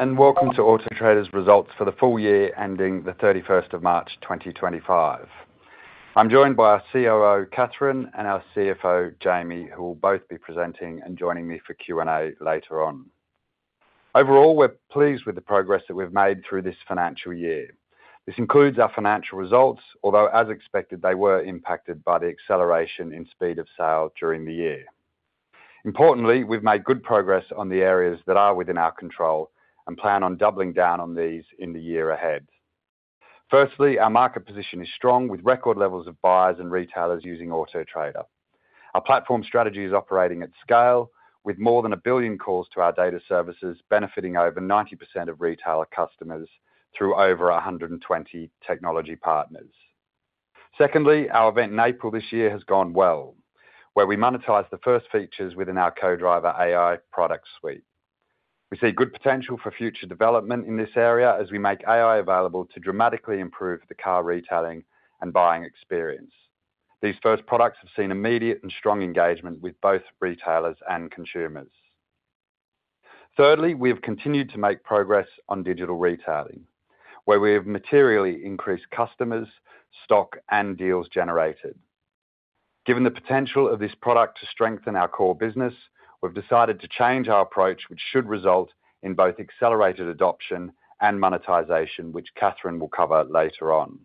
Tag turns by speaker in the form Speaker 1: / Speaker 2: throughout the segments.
Speaker 1: Welcome to Auto Trader's results for the full year ending March 31st, 2025. I'm joined by our COO, Catherine, and our CFO, Jamie, who will both be presenting and joining me for Q&A later on. Overall, we're pleased with the progress that we've made through this financial year. This includes our financial results, although, as expected, they were impacted by the acceleration in speed of sale during the year. Importantly, we've made good progress on the areas that are within our control and plan on doubling down on these in the year ahead. Firstly, our market position is strong, with record levels of buyers and retailers using Auto Trader. Our platform strategy is operating at scale, with more than 1 billion calls to our data services benefiting over 90% of retailer customers through over 120 technology partners. Secondly, our event in April this year has gone well, where we monetized the first features within our CoDriver AI product suite. We see good potential for future development in this area as we make AI available to dramatically improve the car retailing and buying experience. These first products have seen immediate and strong engagement with both retailers and consumers. Thirdly, we have continued to make progress on digital retailing, where we have materially increased customers, stock, and deals generated. Given the potential of this product to strengthen our core business, we've decided to change our approach, which should result in both accelerated adoption and monetization, which Catherine will cover later on.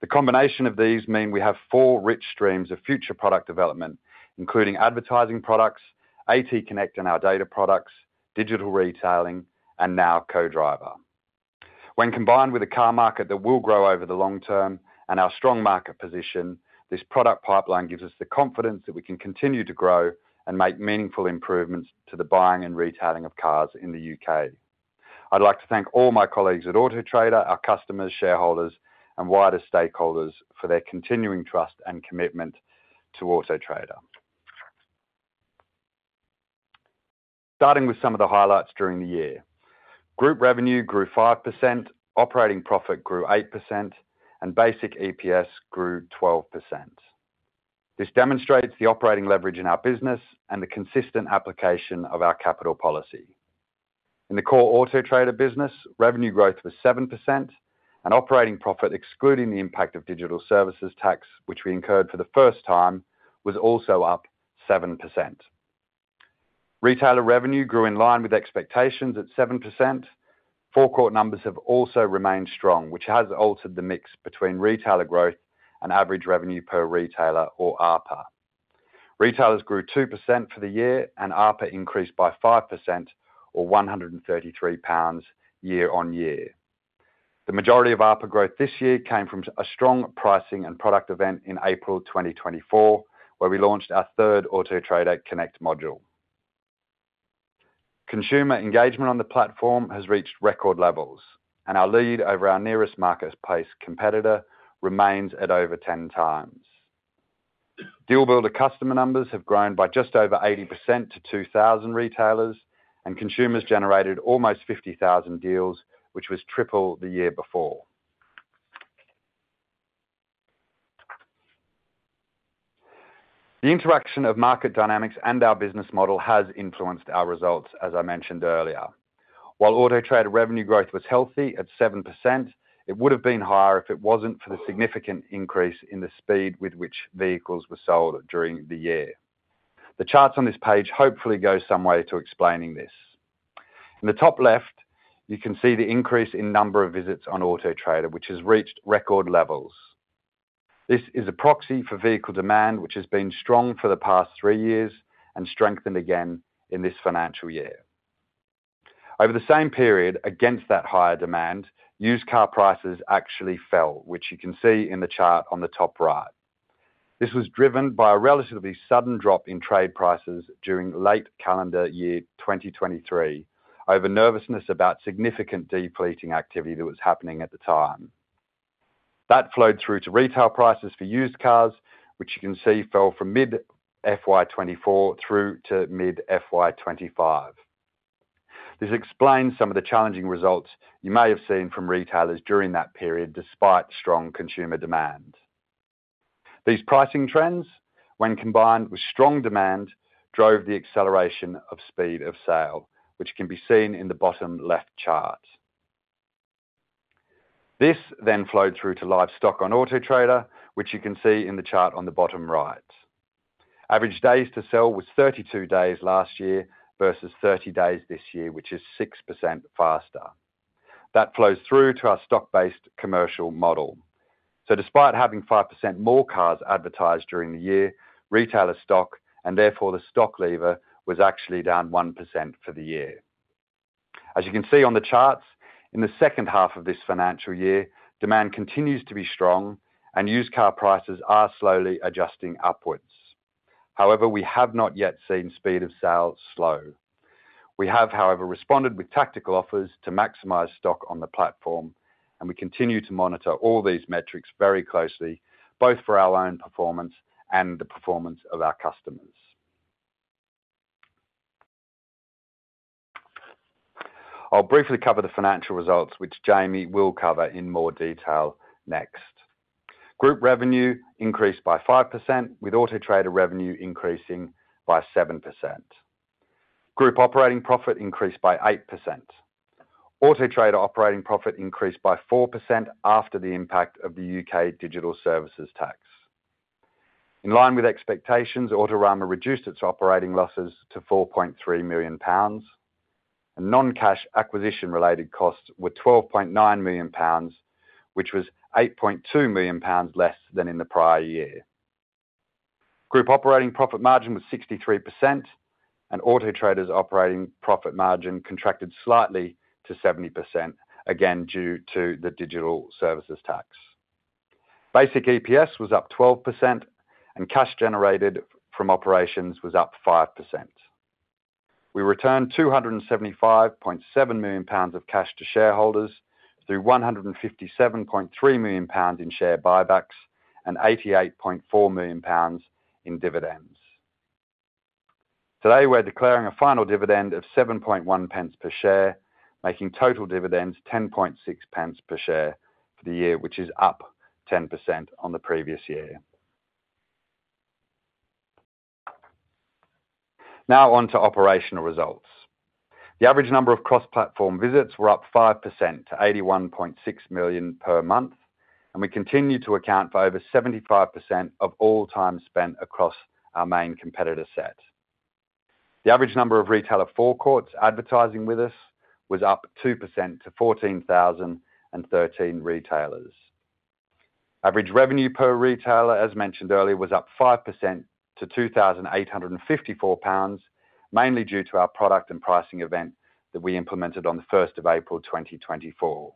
Speaker 1: The combination of these means we have four rich streams of future product development, including advertising products, AT Connect and our data products, digital retailing, and now CoDriver. When combined with a car market that will grow over the long term and our strong market position, this product pipeline gives us the confidence that we can continue to grow and make meaningful improvements to the buying and retailing of cars in the U.K. I'd like to thank all my colleagues at Auto Trader, our customers, shareholders, and wider stakeholders for their continuing trust and commitment to Auto Trader. Starting with some of the highlights during the year, group revenue grew 5%, operating profit grew 8%, and basic EPS grew 12%. This demonstrates the operating leverage in our business and the consistent application of our capital policy. In the core Auto Trader business, revenue growth was 7%, and operating profit, excluding the impact of digital services tax, which we incurred for the first time, was also up 7%. Retailer revenue grew in line with expectations at 7%. Forecourt numbers have also remained strong, which has altered the mix between retailer growth and average revenue per retailer, or ARPA. Retailers grew 2% for the year, and ARPA increased by 5%, or 133 pounds year on year. The majority of ARPA growth this year came from a strong pricing and product event in April 2024, where we launched our third Auto Trader Connect module. Consumer engagement on the platform has reached record levels, and our lead over our nearest marketplace competitor remains at over 10 times. Deal Builder customer numbers have grown by just over 80% to 2,000 retailers, and consumers generated almost 50,000 deals, which was triple the year before. The interaction of market dynamics and our business model has influenced our results, as I mentioned earlier. While Auto Trader revenue growth was healthy at 7%, it would have been higher if it was not for the significant increase in the speed with which vehicles were sold during the year. The charts on this page hopefully go some way to explaining this. In the top left, you can see the increase in number of visits on Auto Trader, which has reached record levels. This is a proxy for vehicle demand, which has been strong for the past three years and strengthened again in this financial year. Over the same period, against that higher demand, used car prices actually fell, which you can see in the chart on the top right. This was driven by a relatively sudden drop in trade prices during late calendar year 2023 over nervousness about significant depleting activity that was happening at the time. That flowed through to retail prices for used cars, which you can see fell from mid-FY 2024 through to mid-FY 2025. This explains some of the challenging results you may have seen from retailers during that period, despite strong consumer demand. These pricing trends, when combined with strong demand, drove the acceleration of speed of sale, which can be seen in the bottom left chart. This then flowed through to live stock on Auto Trader, which you can see in the chart on the bottom right. Average days to sell was 32 days last year versus 30 days this year, which is 6% faster. That flows through to our stock-based commercial model. Despite having 5% more cars advertised during the year, retailer stock, and therefore the stock lever, was actually down 1% for the year. As you can see on the charts, in the second half of this financial year, demand continues to be strong, and used car prices are slowly adjusting upwards. However, we have not yet seen speed of sale slow. We have, however, responded with tactical offers to maximize stock on the platform, and we continue to monitor all these metrics very closely, both for our own performance and the performance of our customers. I'll briefly cover the financial results, which Jamie will cover in more detail next. Group revenue increased by 5%, with Auto Trader revenue increasing by 7%. Group operating profit increased by 8%. Auto Trader operating profit increased by 4% after the impact of the U.K. digital services tax. In line with expectations, Autorama reduced its operating losses to 4.3 million pounds. Non-cash acquisition-related costs were 12.9 million pounds, which was 8.2 million pounds less than in the prior year. Group operating profit margin was 63%, and Auto Trader's operating profit margin contracted slightly to 70%, again due to the digital services tax. Basic EPS was up 12%, and cash generated from operations was up 5%. We returned 275.7 million pounds of cash to shareholders through 157.3 million pounds in share buybacks and 88.4 million pounds in dividends. Today, we're declaring a final dividend of 7.10 per share, making total dividends 10.60 per share for the year, which is up 10% on the previous year. Now on to operational results. The average number of cross-platform visits were up 5% to 81.6 million per month, and we continue to account for over 75% of all time spent across our main competitor set. The average number of retailer forecourts advertising with us was up 2% to 14,013 retailers. Average revenue per retailer, as mentioned earlier, was up 5% to 2,854 pounds, mainly due to our product and pricing event that we implemented on April 1, 2024.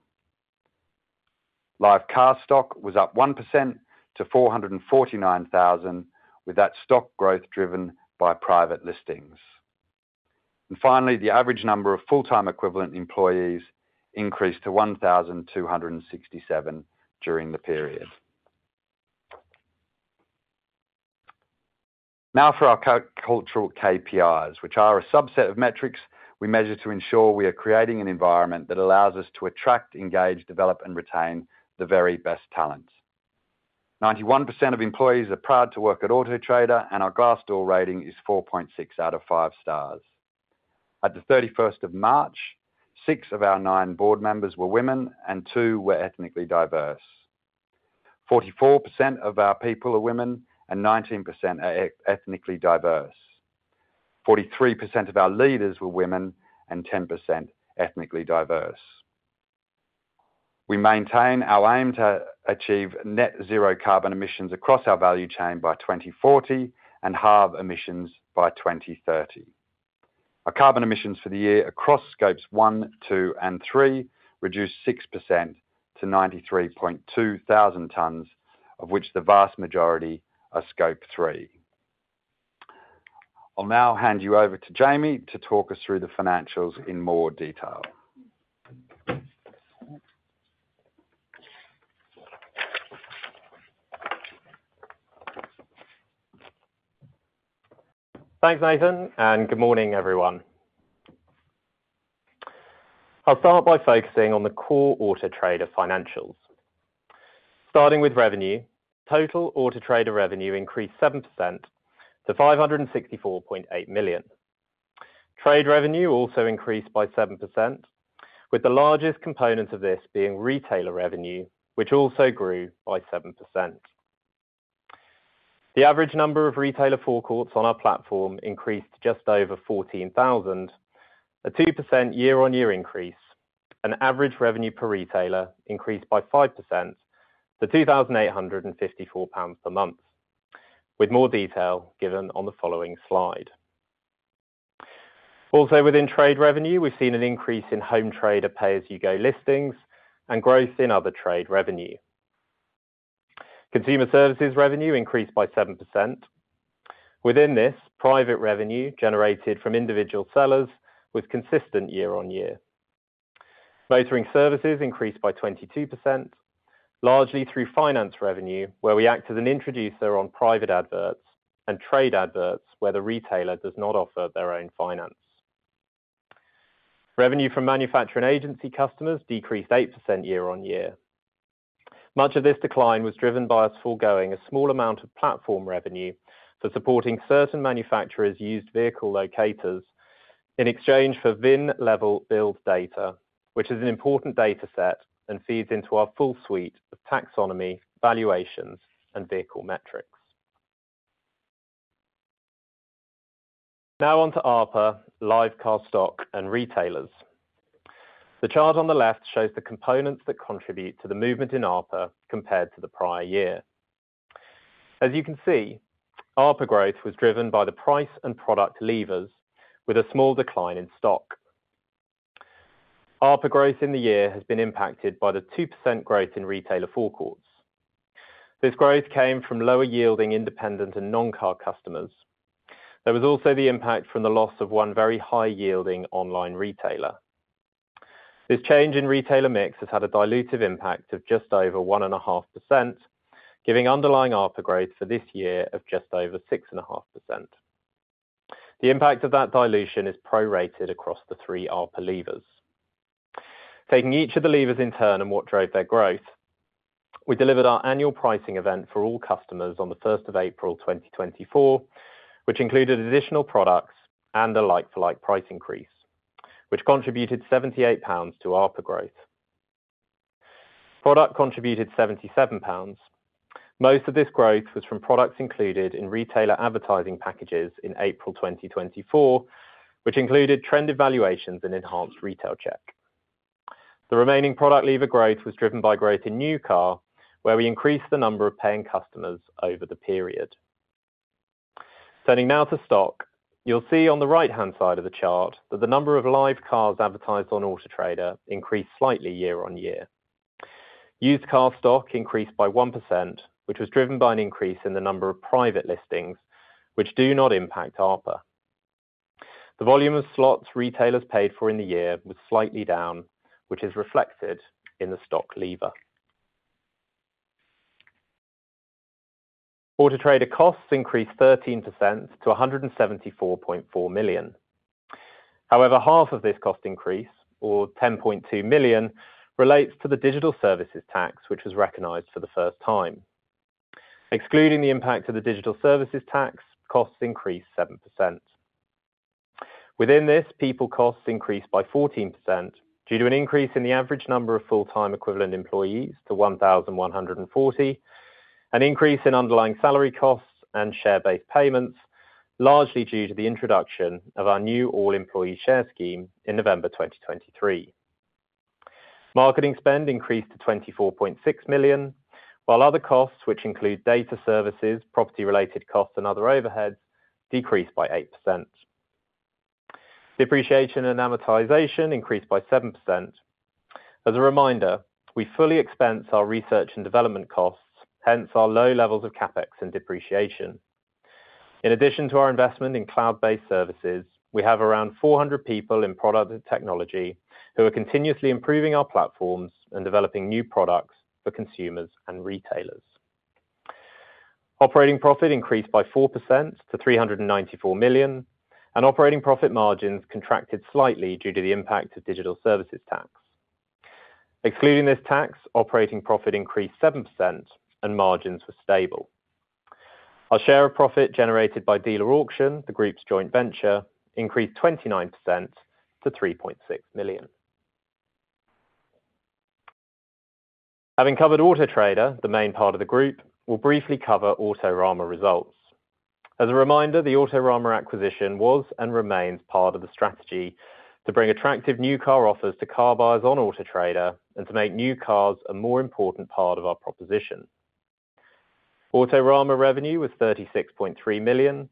Speaker 1: Live car stock was up 1% to 449,000, with that stock growth driven by private listings. Finally, the average number of full-time equivalent employees increased to 1,267 during the period. Now for our cultural KPIs, which are a subset of metrics we measure to ensure we are creating an environment that allows us to attract, engage, develop, and retain the very best talent. 91% of employees are proud to work at Auto Trader, and our Glassdoor rating is 4.6 out of five stars. At the 31st of March, six of our nine board members were women, and two were ethnically diverse. 44% of our people are women, and 19% are ethnically diverse. 43% of our leaders were women, and 10% ethnically diverse. We maintain our aim to achieve net zero carbon emissions across our value chain by 2040 and halve emissions by 2030. Our carbon emissions for the year across scopes one, two, and three reduced 6% to 93.2 thousand tons, of which the vast majority are scope three. I'll now hand you over to Jamie to talk us through the financials in more detail.
Speaker 2: Thanks, Nathan, and good morning, everyone. I'll start by focusing on the core Auto Trader financials. Starting with revenue, total Auto Trader revenue increased 7% to 564.8 million. Trade revenue also increased by 7%, with the largest component of this being retailer revenue, which also grew by 7%. The average number of retailer forecourts on our platform increased to just over 14,000, a 2% year-on-year increase, and average revenue per retailer increased by 5% to 2,854 pounds per month, with more detail given on the following slide. Also, within trade revenue, we've seen an increase in Home Trader Pay-as-you-go listings and growth in other trade revenue. Consumer services revenue increased by 7%. Within this, private revenue generated from individual sellers was consistent year-on-year. Motoring services increased by 22%, largely through finance revenue, where we act as an introducer on private adverts and trade adverts, where the retailer does not offer their own finance. Revenue from manufacturing agency customers decreased 8% year-on-year. Much of this decline was driven by us foregoing a small amount of platform revenue for supporting certain manufacturers' used vehicle locators in exchange for VIN-level build data, which is an important data set and feeds into our full suite of taxonomy, valuations, and vehicle metrics. Now on to ARPA, live car stock, and retailers. The chart on the left shows the components that contribute to the movement in ARPA compared to the prior year. As you can see, ARPA growth was driven by the price and product levers, with a small decline in stock. ARPA growth in the year has been impacted by the 2% growth in retailer forecourts. This growth came from lower-yielding independent and non-car customers. There was also the impact from the loss of one very high-yielding online retailer. This change in retailer mix has had a dilutive impact of just over 1.5%, giving underlying ARPA growth for this year of just over 6.5%. The impact of that dilution is prorated across the three ARPA levers. Taking each of the levers in turn and what drove their growth, we delivered our annual pricing event for all customers on 1st of April, 2024, which included additional products and a like-for-like price increase, which contributed 78 pounds to ARPA growth. Product contributed 77 pounds. Most of this growth was from products included in retailer advertising packages in April 2024, which included trend evaluations and enhanced retail check. The remaining product lever growth was driven by growth in new car, where we increased the number of paying customers over the period. Turning now to stock, you'll see on the right-hand side of the chart that the number of live cars advertised on Auto Trader increased slightly year-on-year. Used car stock increased by 1%, which was driven by an increase in the number of private listings, which do not impact ARPA. The volume of slots retailers paid for in the year was slightly down, which is reflected in the stock lever. Auto Trader costs increased 13% to 174.4 million. However, half of this cost increase, or 10.2 million, relates to the digital services tax, which was recognized for the first time. Excluding the impact of the digital services tax, costs increased 7%. Within this, people costs increased by 14% due to an increase in the average number of full-time equivalent employees to 1,140, an increase in underlying salary costs and share-based payments, largely due to the introduction of our new all-employee share scheme in November 2023. Marketing spend increased to 24.6 million, while other costs, which include data services, property-related costs, and other overheads, decreased by 8%. Depreciation and amortization increased by 7%. As a reminder, we fully expense our research and development costs, hence our low levels of CapEx and depreciation. In addition to our investment in cloud-based services, we have around 400 people in product and technology who are continuously improving our platforms and developing new products for consumers and retailers. Operating profit increased by 4% to 394 million, and operating profit margins contracted slightly due to the impact of digital services tax. Excluding this tax, operating profit increased 7%, and margins were stable. Our share of profit generated by Dealer Auction, the group's joint venture, increased 29% to GBP 3.6 million. Having covered Auto Trader, the main part of the group, we'll briefly cover Autorama results. As a reminder, the Autorama acquisition was and remains part of the strategy to bring attractive new car offers to car buyers on Auto Trader and to make new cars a more important part of our proposition. Autorama revenue was 36.3 million,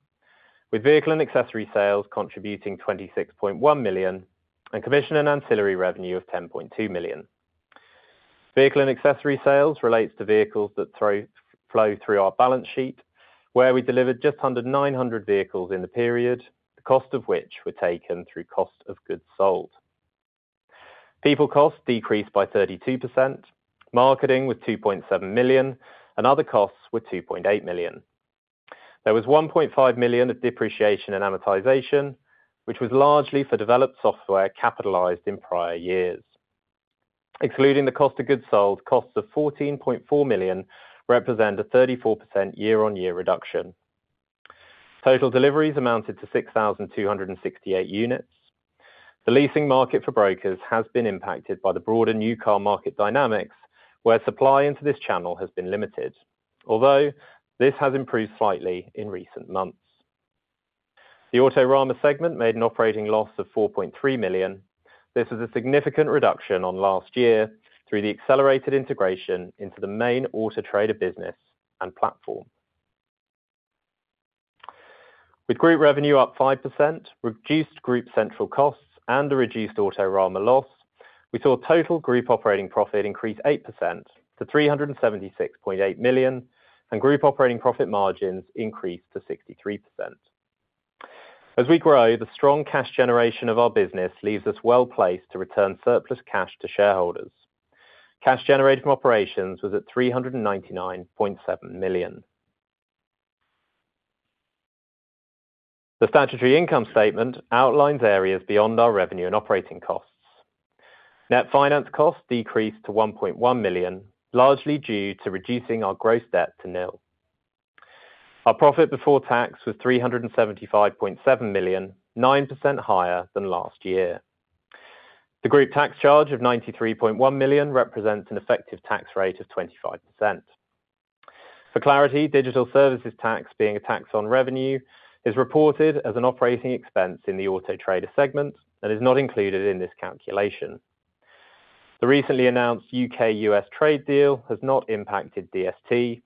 Speaker 2: with vehicle and accessory sales contributing 26.1 million and commission and ancillary revenue of 10.2 million. Vehicle and accessory sales relates to vehicles that flow through our balance sheet, where we delivered just under 900 vehicles in the period, the cost of which were taken through cost of goods sold. People costs decreased by 32%. Marketing was 2.7 million, and other costs were 2.8 million. There was 1.5 million of depreciation and amortization, which was largely for developed software capitalized in prior years. Excluding the cost of goods sold, costs of 14.4 million represent a 34% year-on-year reduction. Total deliveries amounted to 6,268 units. The leasing market for brokers has been impacted by the broader new car market dynamics, where supply into this channel has been limited, although this has improved slightly in recent months. The Autorama segment made an operating loss of 4.3 million. This was a significant reduction on last year through the accelerated integration into the main Auto Trader business and platform. With group revenue up 5%, reduced group central costs, and a reduced Autorama loss, we saw total group operating profit increase 8% to 376.8 million, and group operating profit margins increased to 63%. As we grow, the strong cash generation of our business leaves us well placed to return surplus cash to shareholders. Cash generated from operations was at 399.7 million. The statutory income statement outlines areas beyond our revenue and operating costs. Net finance costs decreased to 1.1 million, largely due to reducing our gross debt to nil. Our profit before tax was 375.7 million, 9% higher than last year. The group tax charge of 93.1 million represents an effective tax rate of 25%. For clarity, digital services tax, being a tax on revenue, is reported as an operating expense in the Auto Trader segment and is not included in this calculation. The recently announced UK-US trade deal has not impacted DST.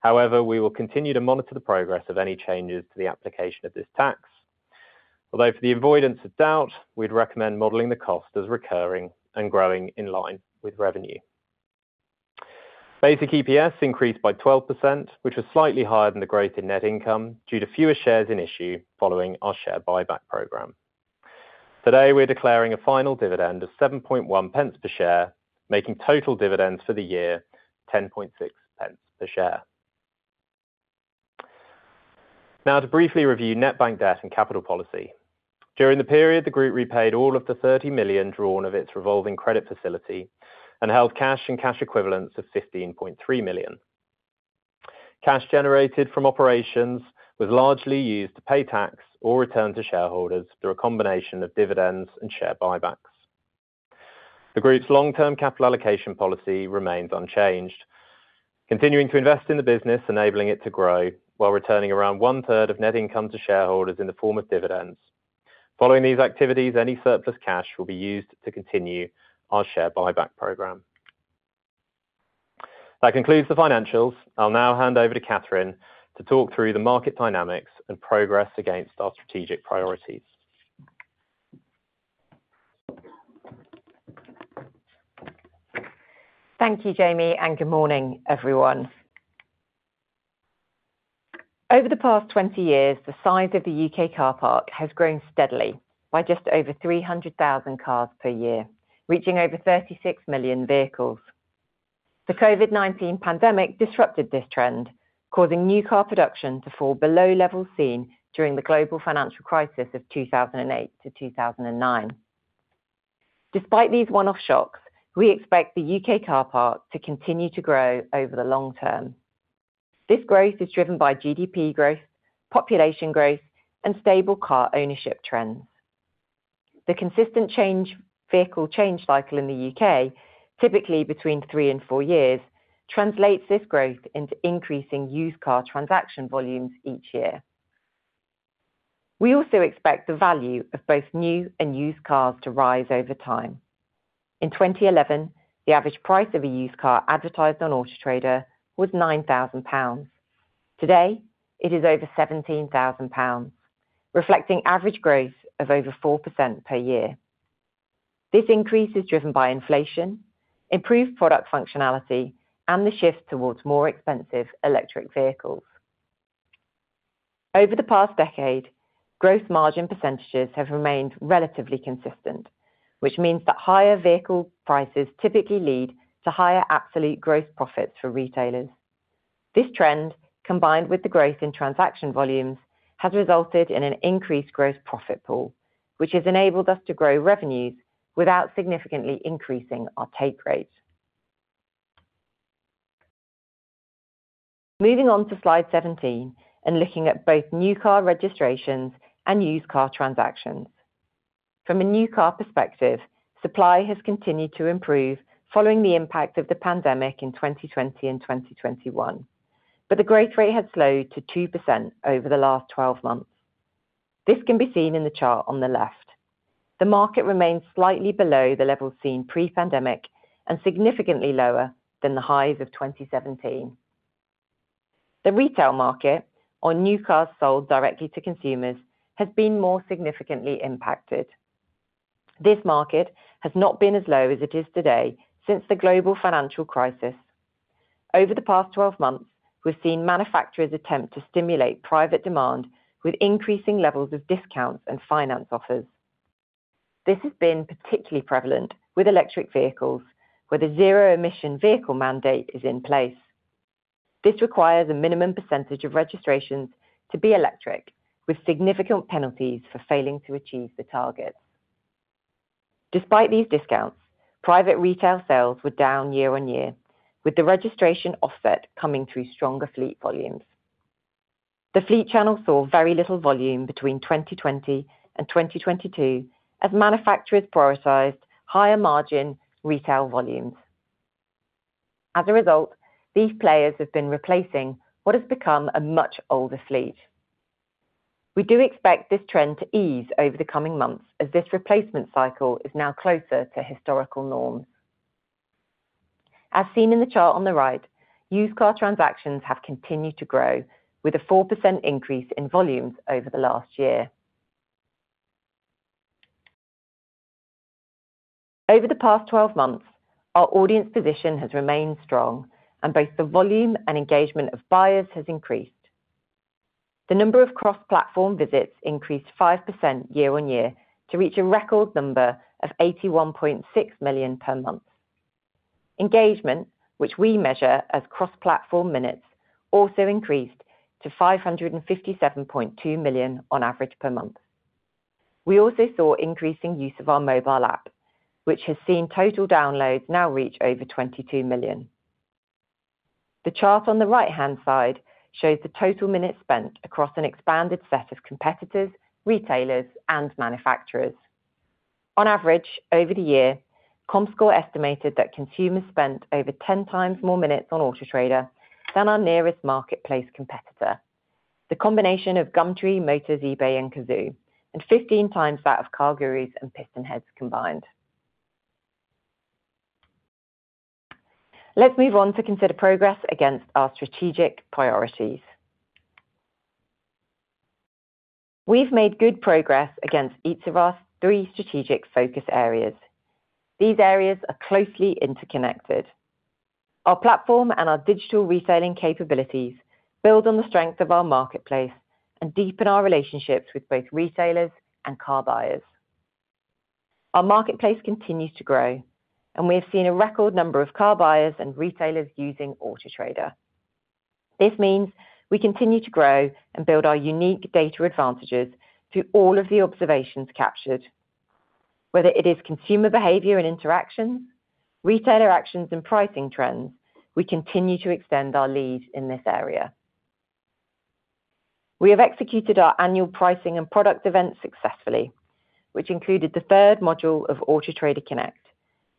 Speaker 2: However, we will continue to monitor the progress of any changes to the application of this tax. Although, for the avoidance of doubt, we'd recommend modeling the cost as recurring and growing in line with revenue. Basic EPS increased by 12%, which was slightly higher than the growth in net income due to fewer shares in issue following our share buyback program. Today, we're declaring a final dividend of 7.10 per share, making total dividends for the year 10.60 per share. Now, to briefly review net bank debt and capital policy. During the period, the group repaid all of the 30 million drawn of its revolving credit facility and held cash and cash equivalents of 15.3 million. Cash generated from operations was largely used to pay tax or return to shareholders through a combination of dividends and share buybacks. The group's long-term capital allocation policy remains unchanged, continuing to invest in the business, enabling it to grow while returning around one-third of net income to shareholders in the form of dividends. Following these activities, any surplus cash will be used to continue our share buyback program. That concludes the financials. I'll now hand over to Catherine to talk through the market dynamics and progress against our strategic priorities.
Speaker 3: Thank you, Jamie, and good morning, everyone. Over the past 20 years, the size of the U.K. car park has grown steadily by just over 300,000 cars per year, reaching over 36 million vehicles. The COVID-19 pandemic disrupted this trend, causing new car production to fall below levels seen during the global financial crisis of 2008 to 2009. Despite these one-off shocks, we expect the U.K. car park to continue to grow over the long term. This growth is driven by GDP growth, population growth, and stable car ownership trends. The consistent vehicle change cycle in the U.K., typically between three and four years, translates this growth into increasing used car transaction volumes each year. We also expect the value of both new and used cars to rise over time. In 2011, the average price of a used car advertised on Auto Trader was 9,000 pounds. Today, it is over 17,000 pounds, reflecting average growth of over 4% per year. This increase is driven by inflation, improved product functionality, and the shift towards more expensive electric vehicles. Over the past decade, gross margin percentages have remained relatively consistent, which means that higher vehicle prices typically lead to higher absolute gross profits for retailers. This trend, combined with the growth in transaction volumes, has resulted in an increased gross profit pool, which has enabled us to grow revenues without significantly increasing our take rate. Moving on to slide 17 and looking at both new car registrations and used car transactions. From a new car perspective, supply has continued to improve following the impact of the pandemic in 2020 and 2021, but the growth rate has slowed to 2% over the last 12 months. This can be seen in the chart on the left. The market remains slightly below the levels seen pre-pandemic and significantly lower than the highs of 2017. The retail market, or new cars sold directly to consumers, has been more significantly impacted. This market has not been as low as it is today since the global financial crisis. Over the past 12 months, we've seen manufacturers attempt to stimulate private demand with increasing levels of discounts and finance offers. This has been particularly prevalent with electric vehicles, where the zero-emission vehicle mandate is in place. This requires a minimum percentage of registrations to be electric, with significant penalties for failing to achieve the targets. Despite these discounts, private retail sales were down year on year, with the registration offset coming through stronger fleet volumes. The fleet channel saw very little volume between 2020 and 2022, as manufacturers prioritized higher margin retail volumes. As a result, these players have been replacing what has become a much older fleet. We do expect this trend to ease over the coming months, as this replacement cycle is now closer to historical norms. As seen in the chart on the right, used car transactions have continued to grow, with a 4% increase in volumes over the last year. Over the past 12 months, our audience position has remained strong, and both the volume and engagement of buyers has increased. The number of cross-platform visits increased 5% year-on-year to reach a record number of 81.6 million per month. Engagement, which we measure as cross-platform minutes, also increased to 557.2 million on average per month. We also saw increasing use of our mobile app, which has seen total downloads now reach over 22 million. The chart on the right-hand side shows the total minutes spent across an expanded set of competitors, retailers, and manufacturers. On average, over the year, Comscore estimated that consumers spent over 10 times more minutes on Auto Trader than our nearest marketplace competitor, the combination of Gumtree, Motors, eBay, and Cazoo, and 15 times that of CarGurus and PistonHeads combined. Let's move on to consider progress against our strategic priorities. We've made good progress against each of our three strategic focus areas. These areas are closely interconnected. Our platform and our digital retailing capabilities build on the strength of our marketplace and deepen our relationships with both retailers and car buyers. Our marketplace continues to grow, and we have seen a record number of car buyers and retailers using Auto Trader. This means we continue to grow and build our unique data advantages through all of the observations captured. Whether it is consumer behavior and interactions, retailer actions, and pricing trends, we continue to extend our lead in this area. We have executed our annual pricing and product events successfully, which included the third module of Auto Trader Connect,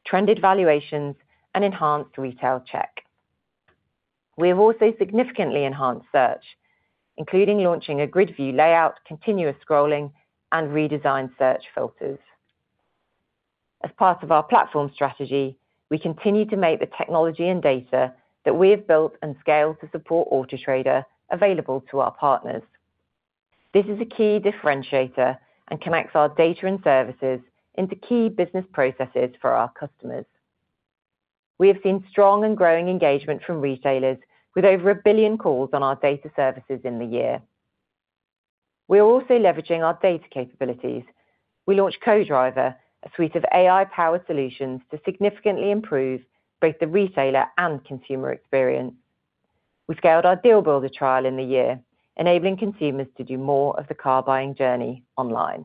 Speaker 3: trended valuations, and enhanced retail check. We have also significantly enhanced search, including launching a grid view layout, continuous scrolling, and redesigned search filters. As part of our platform strategy, we continue to make the technology and data that we have built and scaled to support Auto Trader available to our partners. This is a key differentiator and connects our data and services into key business processes for our customers. We have seen strong and growing engagement from retailers with over a billion calls on our data services in the year. We are also leveraging our data capabilities. We launched CoDriver, a suite of AI-powered solutions to significantly improve both the retailer and consumer experience. We scaled our Deal Builder trial in the year, enabling consumers to do more of the car buying journey online.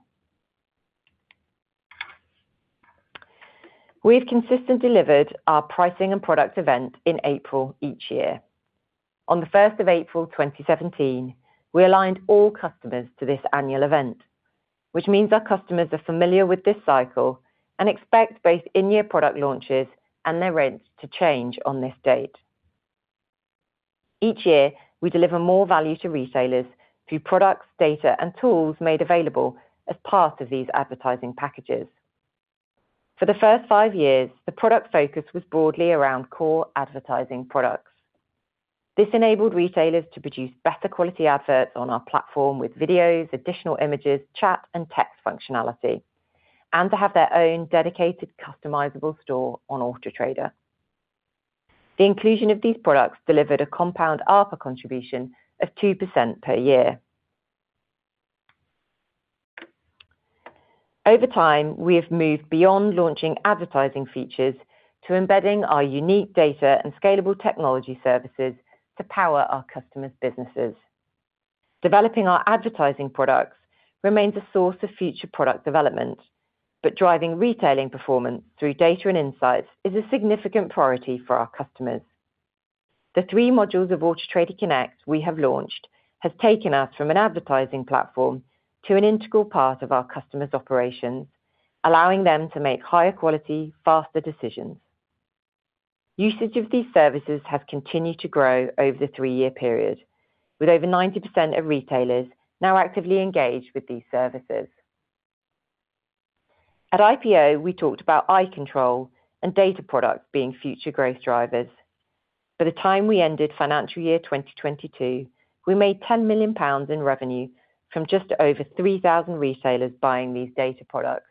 Speaker 3: We have consistently delivered our pricing and product event in April each year. On the 1st of April 2017, we aligned all customers to this annual event, which means our customers are familiar with this cycle and expect both in-year product launches and their rates to change on this date. Each year, we deliver more value to retailers through products, data, and tools made available as part of these advertising packages. For the first five years, the product focus was broadly around core advertising products. This enabled retailers to produce better quality adverts on our platform with videos, additional images, chat, and text functionality, and to have their own dedicated customizable store on Auto Trader. The inclusion of these products delivered a compound ARPA contribution of 2% per year. Over time, we have moved beyond launching advertising features to embedding our unique data and scalable technology services to power our customers' businesses. Developing our advertising products remains a source of future product development, but driving retailing performance through data and insights is a significant priority for our customers. The three modules of Auto Trader Connect we have launched have taken us from an advertising platform to an integral part of our customers' operations, allowing them to make higher quality, faster decisions. Usage of these services has continued to grow over the three-year period, with over 90% of retailers now actively engaged with these services. At IPO, we talked about eye control and data products being future growth drivers. By the time we ended financial year 2022, we made 10 million pounds in revenue from just over 3,000 retailers buying these data products.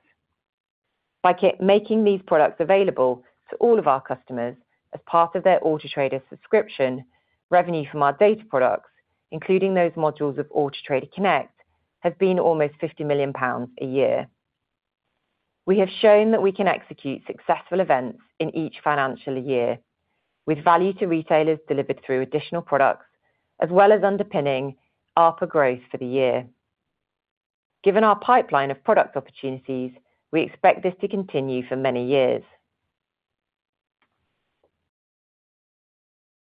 Speaker 3: By making these products available to all of our customers as part of their Auto Trader subscription, revenue from our data products, including those modules of Auto Trader Connect, has been almost 50 million pounds a year. We have shown that we can execute successful events in each financial year, with value to retailers delivered through additional products, as well as underpinning ARPA growth for the year. Given our pipeline of product opportunities, we expect this to continue for many years.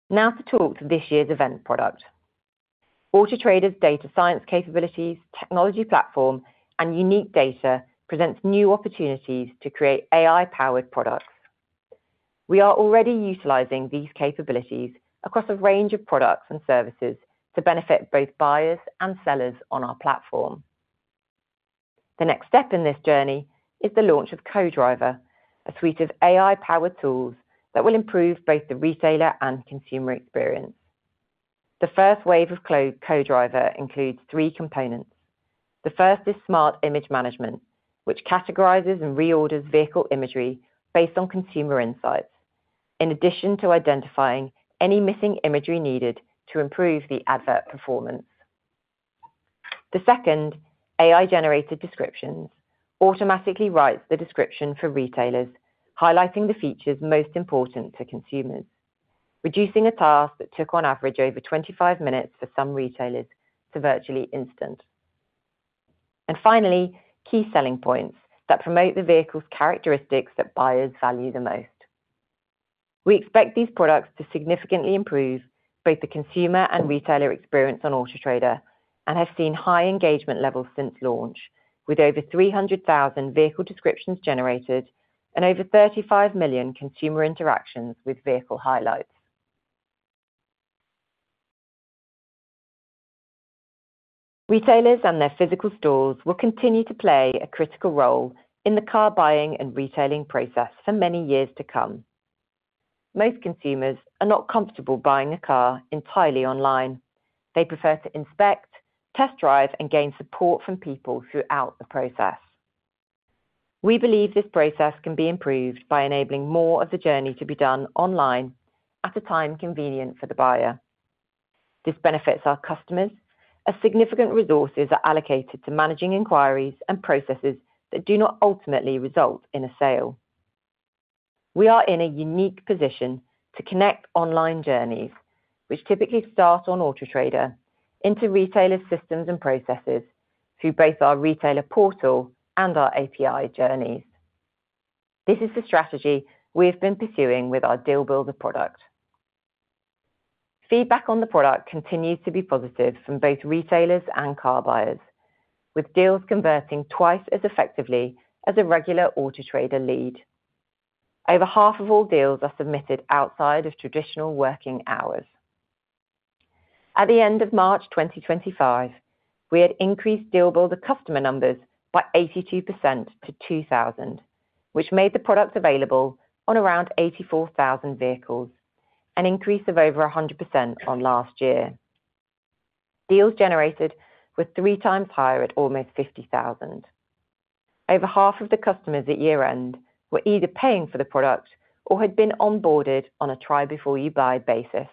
Speaker 3: Now to talk to this year's event product. Auto Trader's data science capabilities, technology platform, and unique data present new opportunities to create AI-powered products. We are already utilizing these capabilities across a range of products and services to benefit both buyers and sellers on our platform. The next step in this journey is the launch of CoDriver, a suite of AI-powered tools that will improve both the retailer and consumer experience. The first wave of CoDriver includes three components. The first is smart image management, which categorizes and reorders vehicle imagery based on consumer insights, in addition to identifying any missing imagery needed to improve the advert performance. The second, AI-generated descriptions, automatically writes the description for retailers, highlighting the features most important to consumers, reducing a task that took on average over 25 minutes for some retailers to virtually instant. Finally, key selling points that promote the vehicle's characteristics that buyers value the most. We expect these products to significantly improve both the consumer and retailer experience on Auto Trader and have seen high engagement levels since launch, with over 300,000 vehicle descriptions generated and over 35 million consumer interactions with vehicle highlights. Retailers and their physical stores will continue to play a critical role in the car buying and retailing process for many years to come. Most consumers are not comfortable buying a car entirely online. They prefer to inspect, test drive, and gain support from people throughout the process. We believe this process can be improved by enabling more of the journey to be done online at a time convenient for the buyer. This benefits our customers as significant resources are allocated to managing inquiries and processes that do not ultimately result in a sale. We are in a unique position to connect online journeys, which typically start on Auto Trader, into retailers' systems and processes through both our retailer portal and our API journeys. This is the strategy we have been pursuing with our Deal Builder product. Feedback on the product continues to be positive from both retailers and car buyers, with deals converting twice as effectively as a regular Auto Trader lead. Over half of all deals are submitted outside of traditional working hours. At the end of March 2025, we had increased Deal Builder customer numbers by 82% to 2,000, which made the product available on around 84,000 vehicles, an increase of over 100% on last year. Deals generated were three times higher at almost 50,000. Over half of the customers at year-end were either paying for the product or had been onboarded on a try-before-you-buy basis,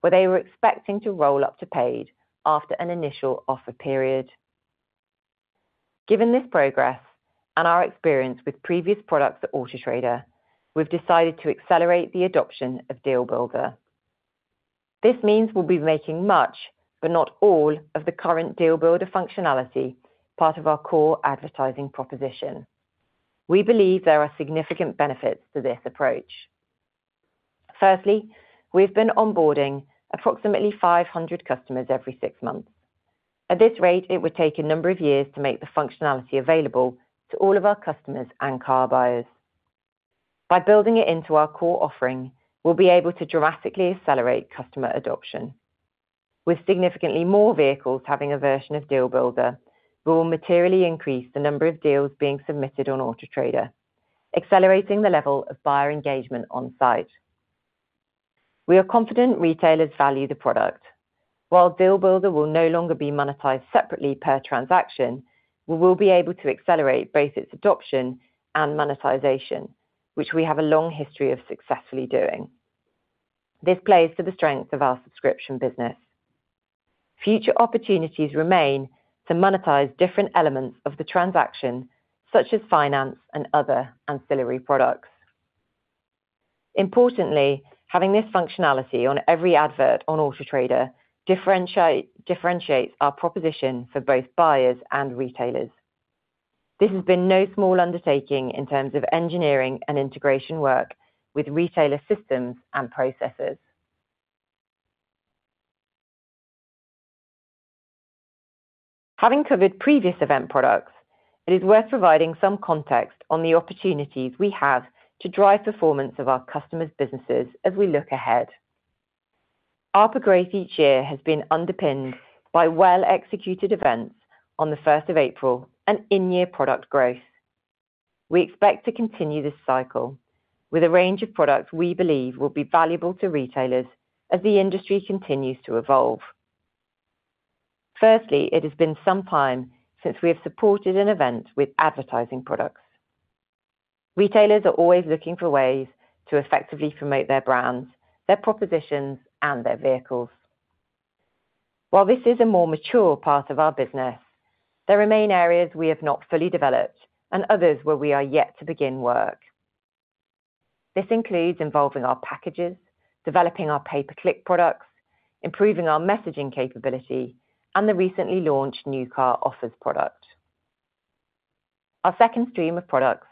Speaker 3: where they were expecting to roll up to paid after an initial offer period. Given this progress and our experience with previous products at Auto Trader, we've decided to accelerate the adoption of Deal Builder. This means we'll be making much, but not all, of the current Deal Builder functionality part of our core advertising proposition. We believe there are significant benefits to this approach. Firstly, we have been onboarding approximately 500 customers every six months. At this rate, it would take a number of years to make the functionality available to all of our customers and car buyers. By building it into our core offering, we'll be able to drastically accelerate customer adoption. With significantly more vehicles having a version of Deal Builder, we will materially increase the number of deals being submitted on Auto Trader, accelerating the level of buyer engagement on-site. We are confident retailers value the product. While Deal Builder will no longer be monetized separately per transaction, we will be able to accelerate both its adoption and monetization, which we have a long history of successfully doing. This plays to the strengths of our subscription business. Future opportunities remain to monetize different elements of the transaction, such as finance and other ancillary products. Importantly, having this functionality on every advert on Auto Trader differentiates our proposition for both buyers and retailers. This has been no small undertaking in terms of engineering and integration work with retailer systems and processes. Having covered previous event products, it is worth providing some context on the opportunities we have to drive performance of our customers' businesses as we look ahead. ARPA growth each year has been underpinned by well-executed events on the 1st of April and in-year product growth. We expect to continue this cycle with a range of products we believe will be valuable to retailers as the industry continues to evolve. Firstly, it has been some time since we have supported an event with advertising products. Retailers are always looking for ways to effectively promote their brands, their propositions, and their vehicles. While this is a more mature part of our business, there remain areas we have not fully developed and others where we are yet to begin work. This includes involving our packages, developing our pay-per-click products, improving our messaging capability, and the recently launched new car offers product. Our second stream of products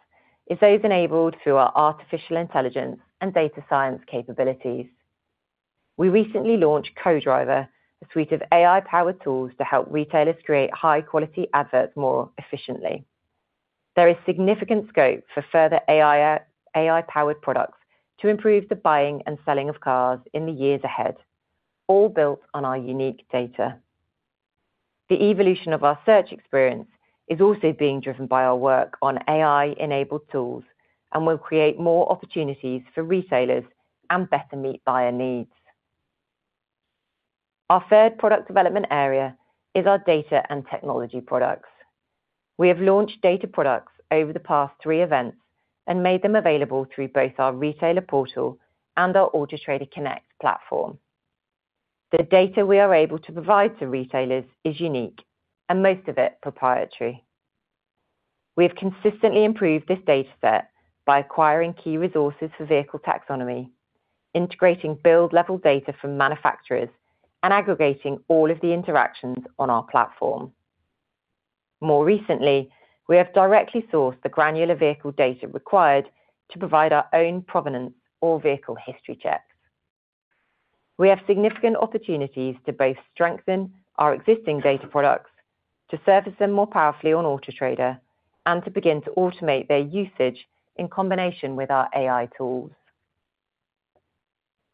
Speaker 3: is those enabled through our artificial intelligence and data science capabilities. We recently launched CoDriver, a suite of AI-powered tools to help retailers create high-quality adverts more efficiently. There is significant scope for further AI-powered products to improve the buying and selling of cars in the years ahead, all built on our unique data. The evolution of our search experience is also being driven by our work on AI-enabled tools and will create more opportunities for retailers and better meet buyer needs. Our third product development area is our data and technology products. We have launched data products over the past three events and made them available through both our retailer portal and our Auto Trader Connect platform. The data we are able to provide to retailers is unique and most of it proprietary. We have consistently improved this data set by acquiring key resources for vehicle taxonomy, integrating build-level data from manufacturers, and aggregating all of the interactions on our platform. More recently, we have directly sourced the granular vehicle data required to provide our own provenance or vehicle history checks. We have significant opportunities to both strengthen our existing data products, to service them more powerfully on Auto Trader, and to begin to automate their usage in combination with our AI tools.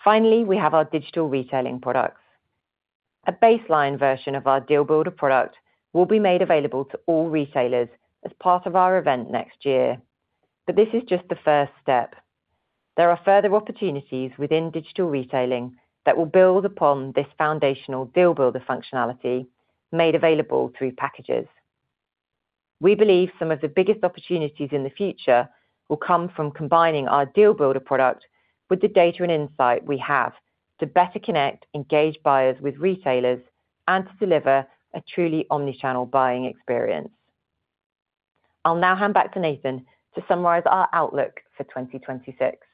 Speaker 3: Finally, we have our digital retailing products. A baseline version of our Deal Builder product will be made available to all retailers as part of our event next year, but this is just the first step. There are further opportunities within digital retailing that will build upon this foundational Deal Builder functionality made available through packages. We believe some of the biggest opportunities in the future will come from combining our Deal Builder product with the data and insight we have to better connect engaged buyers with retailers and to deliver a truly omnichannel buying experience. I'll now hand back to Nathan to summarize our outlook for 2026.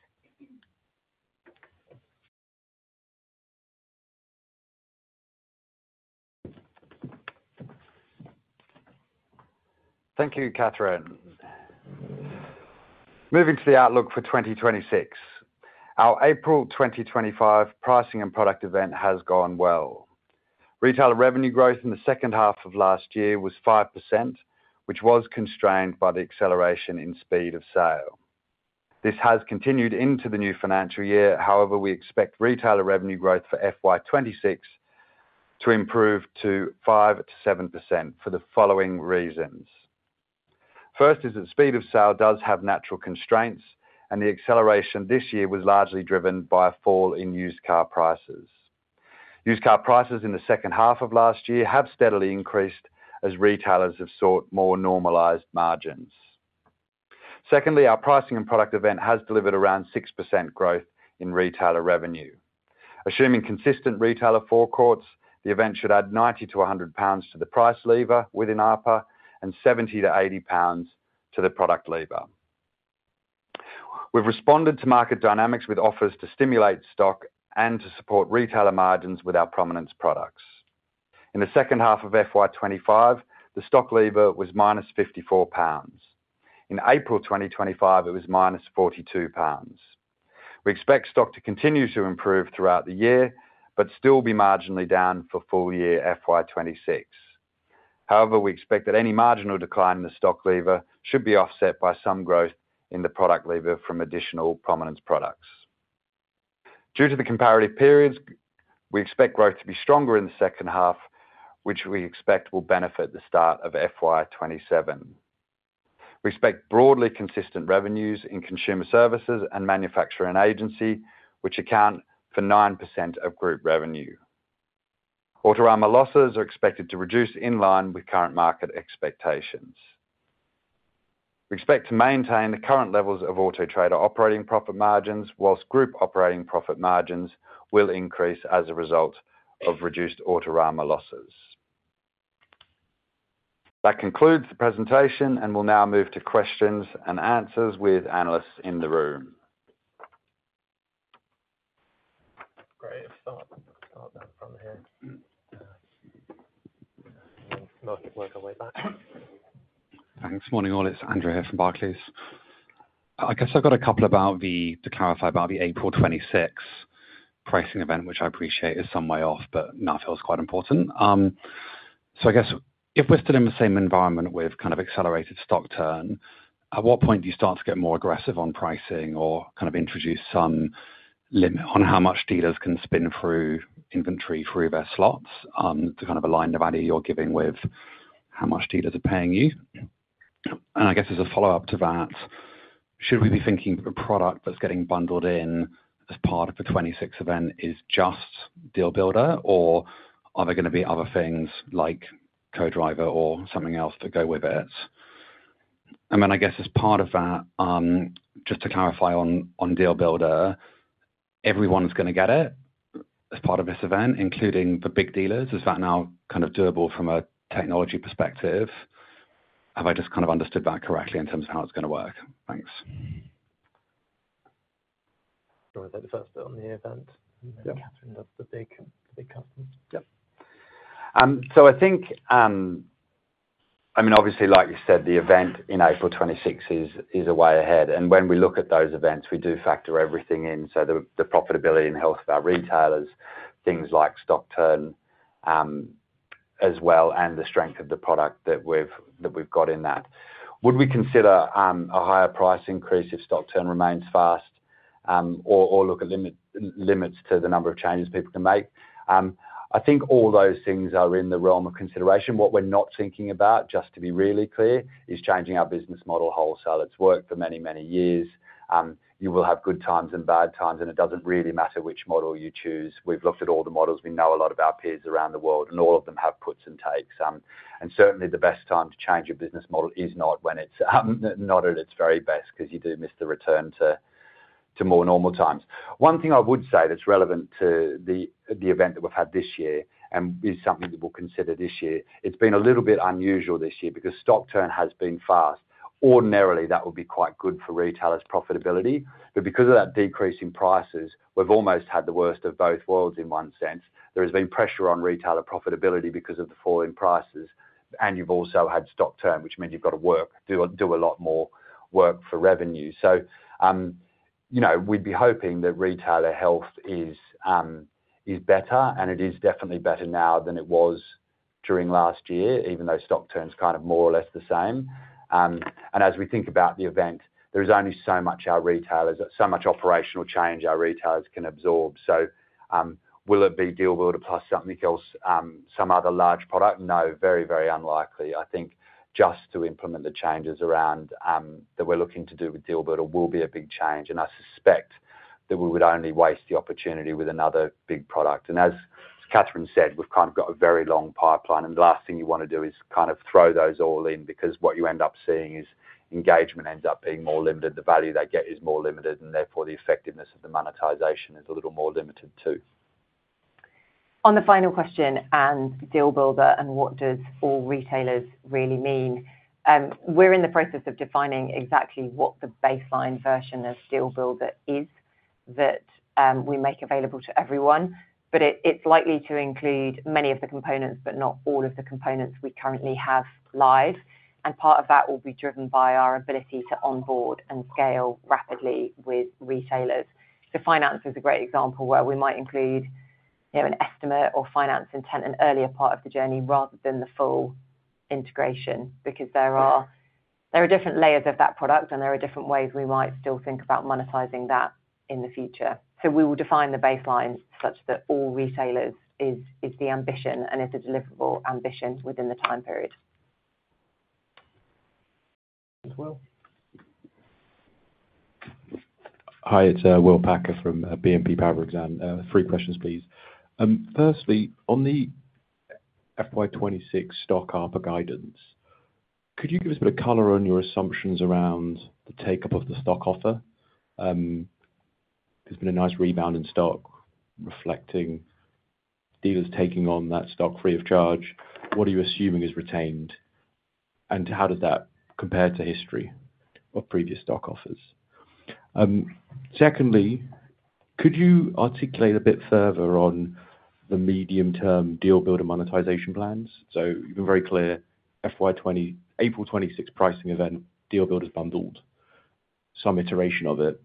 Speaker 1: Thank you, Catherine. Moving to the outlook for 2026, our April 2025 pricing and product event has gone well. Retailer revenue growth in the second half of last year was 5%, which was constrained by the acceleration in speed of sale. This has continued into the new financial year. However, we expect retailer revenue growth for FY 2026 to improve to 5%-7% for the following reasons. First is that speed of sale does have natural constraints, and the acceleration this year was largely driven by a fall in used car prices. Used car prices in the second half of last year have steadily increased as retailers have sought more normalized margins. Secondly, our pricing and product event has delivered around 6% growth in retailer revenue. Assuming consistent retailer forecourts, the event should add 90-100 pounds to the price lever within ARPA and 70- 80 pounds to the product lever. We have responded to market dynamics with offers to stimulate stock and to support retailer margins with our provenance products. In the second half of FY 2025, the stock lever was -54 pounds. In April 2025, it was -42 pounds. We expect stock to continue to improve throughout the year but still be marginally down for full year FY 2026. However, we expect that any marginal decline in the stock lever should be offset by some growth in the product lever from additional provenance products. Due to the comparative periods, we expect growth to be stronger in the second half, which we expect will benefit the start of FY 2027. We expect broadly consistent revenues in consumer services and manufacturer agency, which account for 9% of group revenue. Autorama losses are expected to reduce in line with current market expectations. We expect to maintain the current levels of Auto Trader operating profit margins, whilst group operating profit margins will increase as a result of reduced Autorama losses. That concludes the presentation, and we will now move to questions and answers with analysts in the room. Great. Start that from here. Market work on my back. Thanks. Morning all. It is Andrew here from Barclays. I guess I have got a couple about the, to clarify about the April 2026 pricing event, which I appreciate is some way off, but now feels quite important. I guess if we're still in the same environment with kind of accelerated stock turn, at what point do you start to get more aggressive on pricing or kind of introduce some limit on how much dealers can spin through inventory through their slots to kind of align the value you're giving with how much dealers are paying you? I guess as a follow-up to that, should we be thinking a product that's getting bundled in as part of the 2026 event is just Deal Builder, or are there going to be other things like CoDriver or something else that go with it? I guess as part of that, just to clarify on Deal Builder, everyone's going to get it as part of this event, including the big dealers. Is that now kind of doable from a technology perspective? Have I just kind of understood that correctly in terms of how it's going to work? Thanks. Do you want to take the first bit on the event? Yeah. Catherine, that's the big customers. Yep. I think, I mean, obviously, like you said, the event in April 2026 is a way ahead. When we look at those events, we do factor everything in, so the profitability and health of our retailers, things like stock turn as well, and the strength of the product that we've got in that. Would we consider a higher price increase if stock turn remains fast, or look at limits to the number of changes people can make? I think all those things are in the realm of consideration. What we're not thinking about, just to be really clear, is changing our business model wholesale. It's worked for many, many years. You will have good times and bad times, and it does not really matter which model you choose. We have looked at all the models. We know a lot of our peers around the world, and all of them have puts and takes. Certainly, the best time to change your business model is not when it is not at its very best because you do miss the return to more normal times. One thing I would say that is relevant to the event that we have had this year and is something that we will consider this year, it has been a little bit unusual this year because stock turn has been fast. Ordinarily, that would be quite good for retailers' profitability. Because of that decrease in prices, we have almost had the worst of both worlds in one sense. There has been pressure on retailer profitability because of the fall in prices, and you have also had stock turn, which means you have got to work, do a lot more work for revenue. We would be hoping that retailer health is better, and it is definitely better now than it was during last year, even though stock turn is kind of more or less the same. As we think about the event, there is only so much our retailers, so much operational change our retailers can absorb. Will it be Deal Builder plus something else, some other large product? No, very, very unlikely. I think just to implement the changes around that we are looking to do with Deal Builder will be a big change, and I suspect that we would only waste the opportunity with another big product. As Catherine said, we've kind of got a very long pipeline, and the last thing you want to do is kind of throw those all in because what you end up seeing is engagement ends up being more limited. The value they get is more limited, and therefore the effectiveness of the monetization is a little more limited too.
Speaker 3: On the final question and Deal Builder and what does all retailers really mean, we're in the process of defining exactly what the baseline version of Deal Builder is that we make available to everyone, but it's likely to include many of the components but not all of the components we currently have live. Part of that will be driven by our ability to onboard and scale rapidly with retailers. Finance is a great example where we might include an estimate or finance intent at an earlier part of the journey rather than the full integration because there are different layers of that product, and there are different ways we might still think about monetizing that in the future. We will define the baseline such that all retailers is the ambition and is a deliverable ambition within the time period.
Speaker 4: Hi, it's Will Packer from BNP Paribas Exane. Three questions, please. Firstly, on the FY 2026 stock ARPA guidance, could you give us a bit of color on your assumptions around the take-up of the stock offer? There has been a nice rebound in stock reflecting dealers taking on that stock free of charge. What are you assuming is retained, and how does that compare to history of previous stock offers? Secondly, could you articulate a bit further on the medium-term Deal Builder monetization plans? You have been very clear, April 2026 pricing event, Deal Builder's bundled, some iteration of it.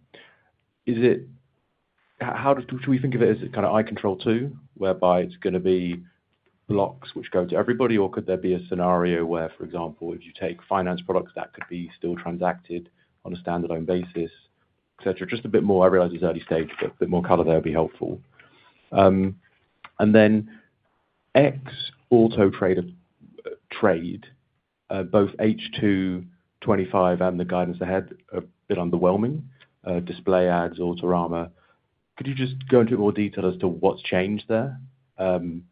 Speaker 4: How do we think of it as kind of eye control too, whereby it is going to be blocks which go to everybody, or could there be a scenario where, for example, if you take finance products, that could be still transacted on a standalone basis, etc.? Just a bit more, I realize it is early stage, but a bit more color there would be helpful. Then X Auto Trader, both H2 2025 and the guidance ahead are a bit underwhelming, display ads, Autorama. Could you just go into a bit more detail as to what has changed there and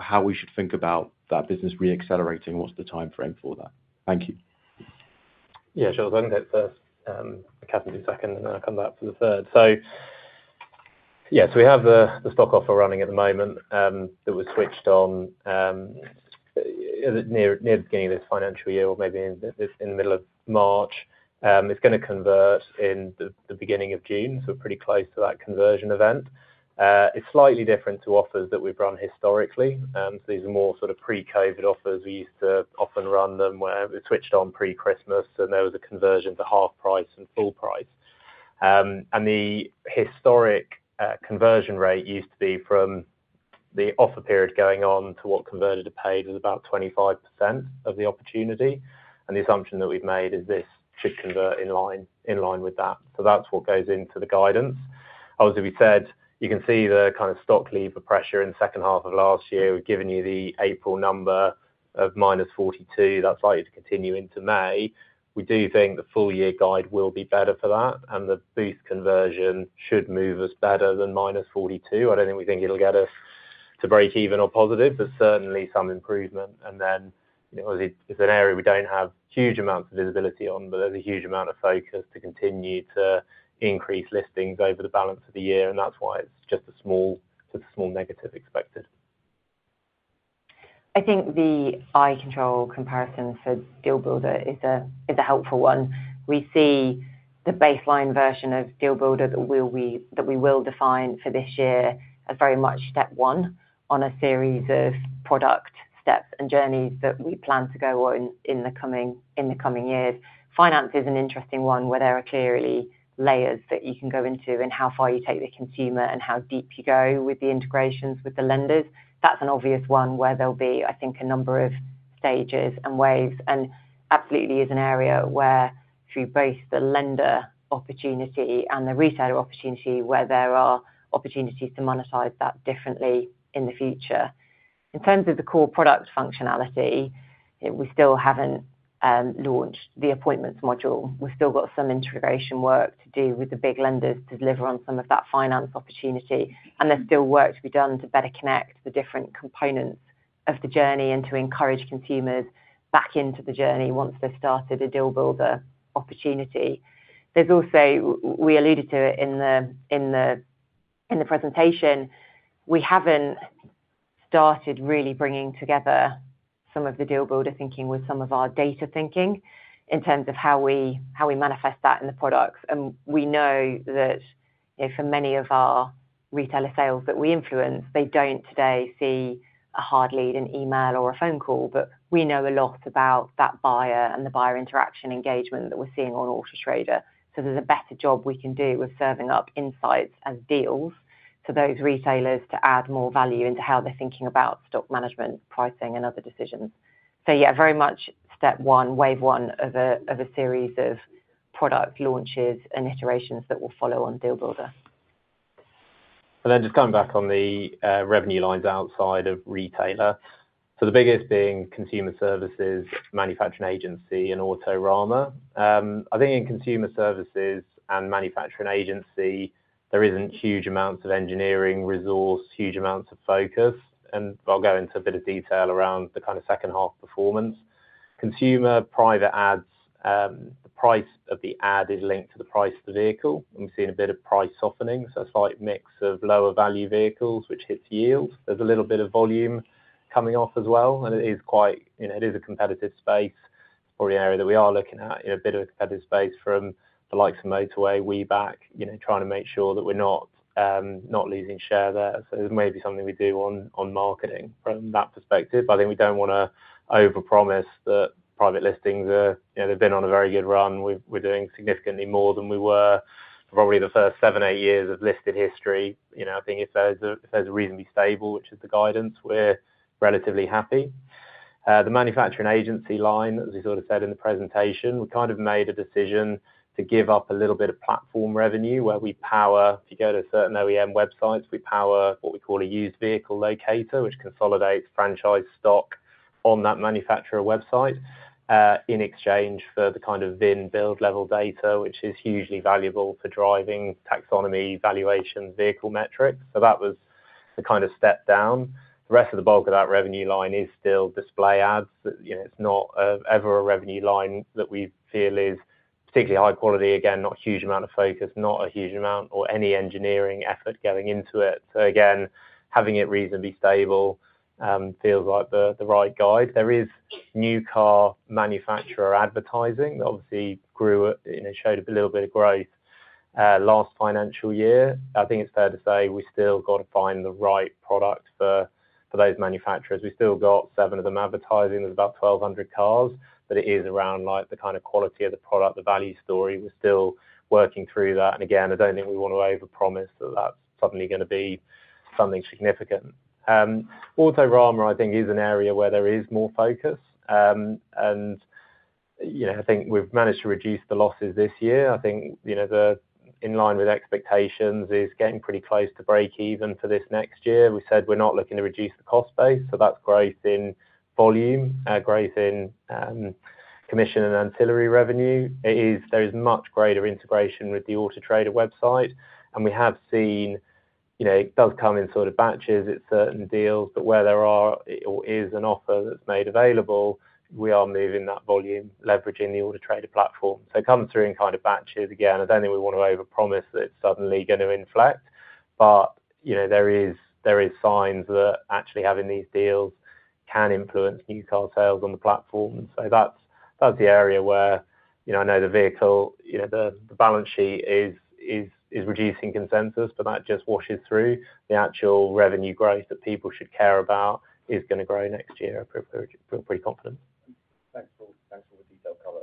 Speaker 4: how we should think about that business reaccelerating? What is the timeframe for that? Thank you.
Speaker 2: Yeah, sure. I will go first. Catherine will do second, and then I'll come back for the third. Yeah, we have the stock offer running at the moment that was switched on near the beginning of this financial year, or maybe in the middle of March. It is going to convert in the beginning of June, so pretty close to that conversion event. It is slightly different to offers that we have run historically. These are more sort of pre-COVID offers. We used to often run them where we switched on pre-Christmas, and there was a conversion to half price and full price. The historic conversion rate used to be from the offer period going on to what converted to paid was about 25% of the opportunity. The assumption that we have made is this should convert in line with that. That is what goes into the guidance. Obviously, we said you can see the kind of stock lever pressure in the second half of last year. We have given you the April number of -42%. That is likely to continue into May. We do think the full year guide will be better for that, and the boost conversion should move us better than -42%. I do not think we think it will get us to break even or positive, but certainly some improvement. It is an area we do not have huge amounts of visibility on, but there is a huge amount of focus to continue to increase listings over the balance of the year, and that is why it is just a small negative expected.
Speaker 3: I think the eye control comparison for Deal Builder is a helpful one. We see the baseline version of Deal Builder that we will define for this year as very much step one on a series of product steps and journeys that we plan to go on in the coming years. Finance is an interesting one where there are clearly layers that you can go into and how far you take the consumer and how deep you go with the integrations with the lenders. That is an obvious one where there will be, I think, a number of stages and waves. It absolutely is an area where through both the lender opportunity and the retailer opportunity, there are opportunities to monetize that differently in the future. In terms of the core product functionality, we still have not launched the appointments module. We've still got some integration work to do with the big lenders to deliver on some of that finance opportunity, and there's still work to be done to better connect the different components of the journey and to encourage consumers back into the journey once they've started a Deal Builder opportunity. There's also, we alluded to it in the presentation, we haven't started really bringing together some of the Deal Builder thinking with some of our data thinking in terms of how we manifest that in the products. We know that for many of our retailer sales that we influence, they don't today see a hard lead, an email, or a phone call, but we know a lot about that buyer and the buyer interaction engagement that we're seeing on Auto Trader. There's a better job we can do with serving up insights as deals to those retailers to add more value into how they're thinking about stock management, pricing, and other decisions. Very much step one, wave one of a series of product launches and iterations that will follow on Deal Builder.
Speaker 2: Just coming back on the revenue lines outside of retailer, the biggest being consumer services, manufacturing agency, and Autorama. I think in consumer services and manufacturing agency, there isn't huge amounts of engineering resource, huge amounts of focus, and I'll go into a bit of detail around the kind of second half performance. Consumer private ads, the price of the ad is linked to the price of the vehicle, and we've seen a bit of price softening. A slight mix of lower value vehicles, which hits yield. There's a little bit of volume coming off as well, and it is quite, it is a competitive space. It's probably an area that we are looking at, a bit of a competitive space from the likes of Motorway, WeBuyAnyCar, trying to make sure that we're not losing share there. It may be something we do on marketing from that perspective. I think we don't want to overpromise that private listings are, they've been on a very good run. We're doing significantly more than we were probably the first seven, eight years of listed history. I think if there's a reason to be stable, which is the guidance, we're relatively happy. The manufacturing agency line, as we sort of said in the presentation, we kind of made a decision to give up a little bit of platform revenue where we power, if you go to certain OEM websites, we power what we call a used vehicle locator, which consolidates franchise stock on that manufacturer website in exchange for the kind of VIN-level build data, which is hugely valuable for driving taxonomy, valuation, vehicle metrics. That was the kind of step down. The rest of the bulk of that revenue line is still display ads. It is not ever a revenue line that we feel is particularly high quality. Again, not a huge amount of focus, not a huge amount or any engineering effort going into it. Having it reasonably stable feels like the right guide. There is new car manufacturer advertising that obviously grew, showed a little bit of growth last financial year. I think it's fair to say we still got to find the right product for those manufacturers. We still got seven of them advertising. There's about 1,200 cars, but it is around the kind of quality of the product, the value story. We're still working through that. I don't think we want to overpromise that that's suddenly going to be something significant. Autorama, I think, is an area where there is more focus. I think we've managed to reduce the losses this year. I think in line with expectations is getting pretty close to break even for this next year. We said we're not looking to reduce the cost base, so that's growth in volume, growth in commission and ancillary revenue. There is much greater integration with the Auto Trader website, and we have seen it does come in sort of batches. It's certain deals, but where there is an offer that's made available, we are moving that volume, leveraging the Auto Trader platform. It comes through in kind of batches again. I don't think we want to overpromise that it's suddenly going to inflect, but there are signs that actually having these deals can influence new car sales on the platform. That's the area where I know the vehicle, the balance sheet is reducing consensus, but that just washes through. The actual revenue growth that people should care about is going to grow next year. I'm pretty confident.
Speaker 4: Thanks for the detailed color.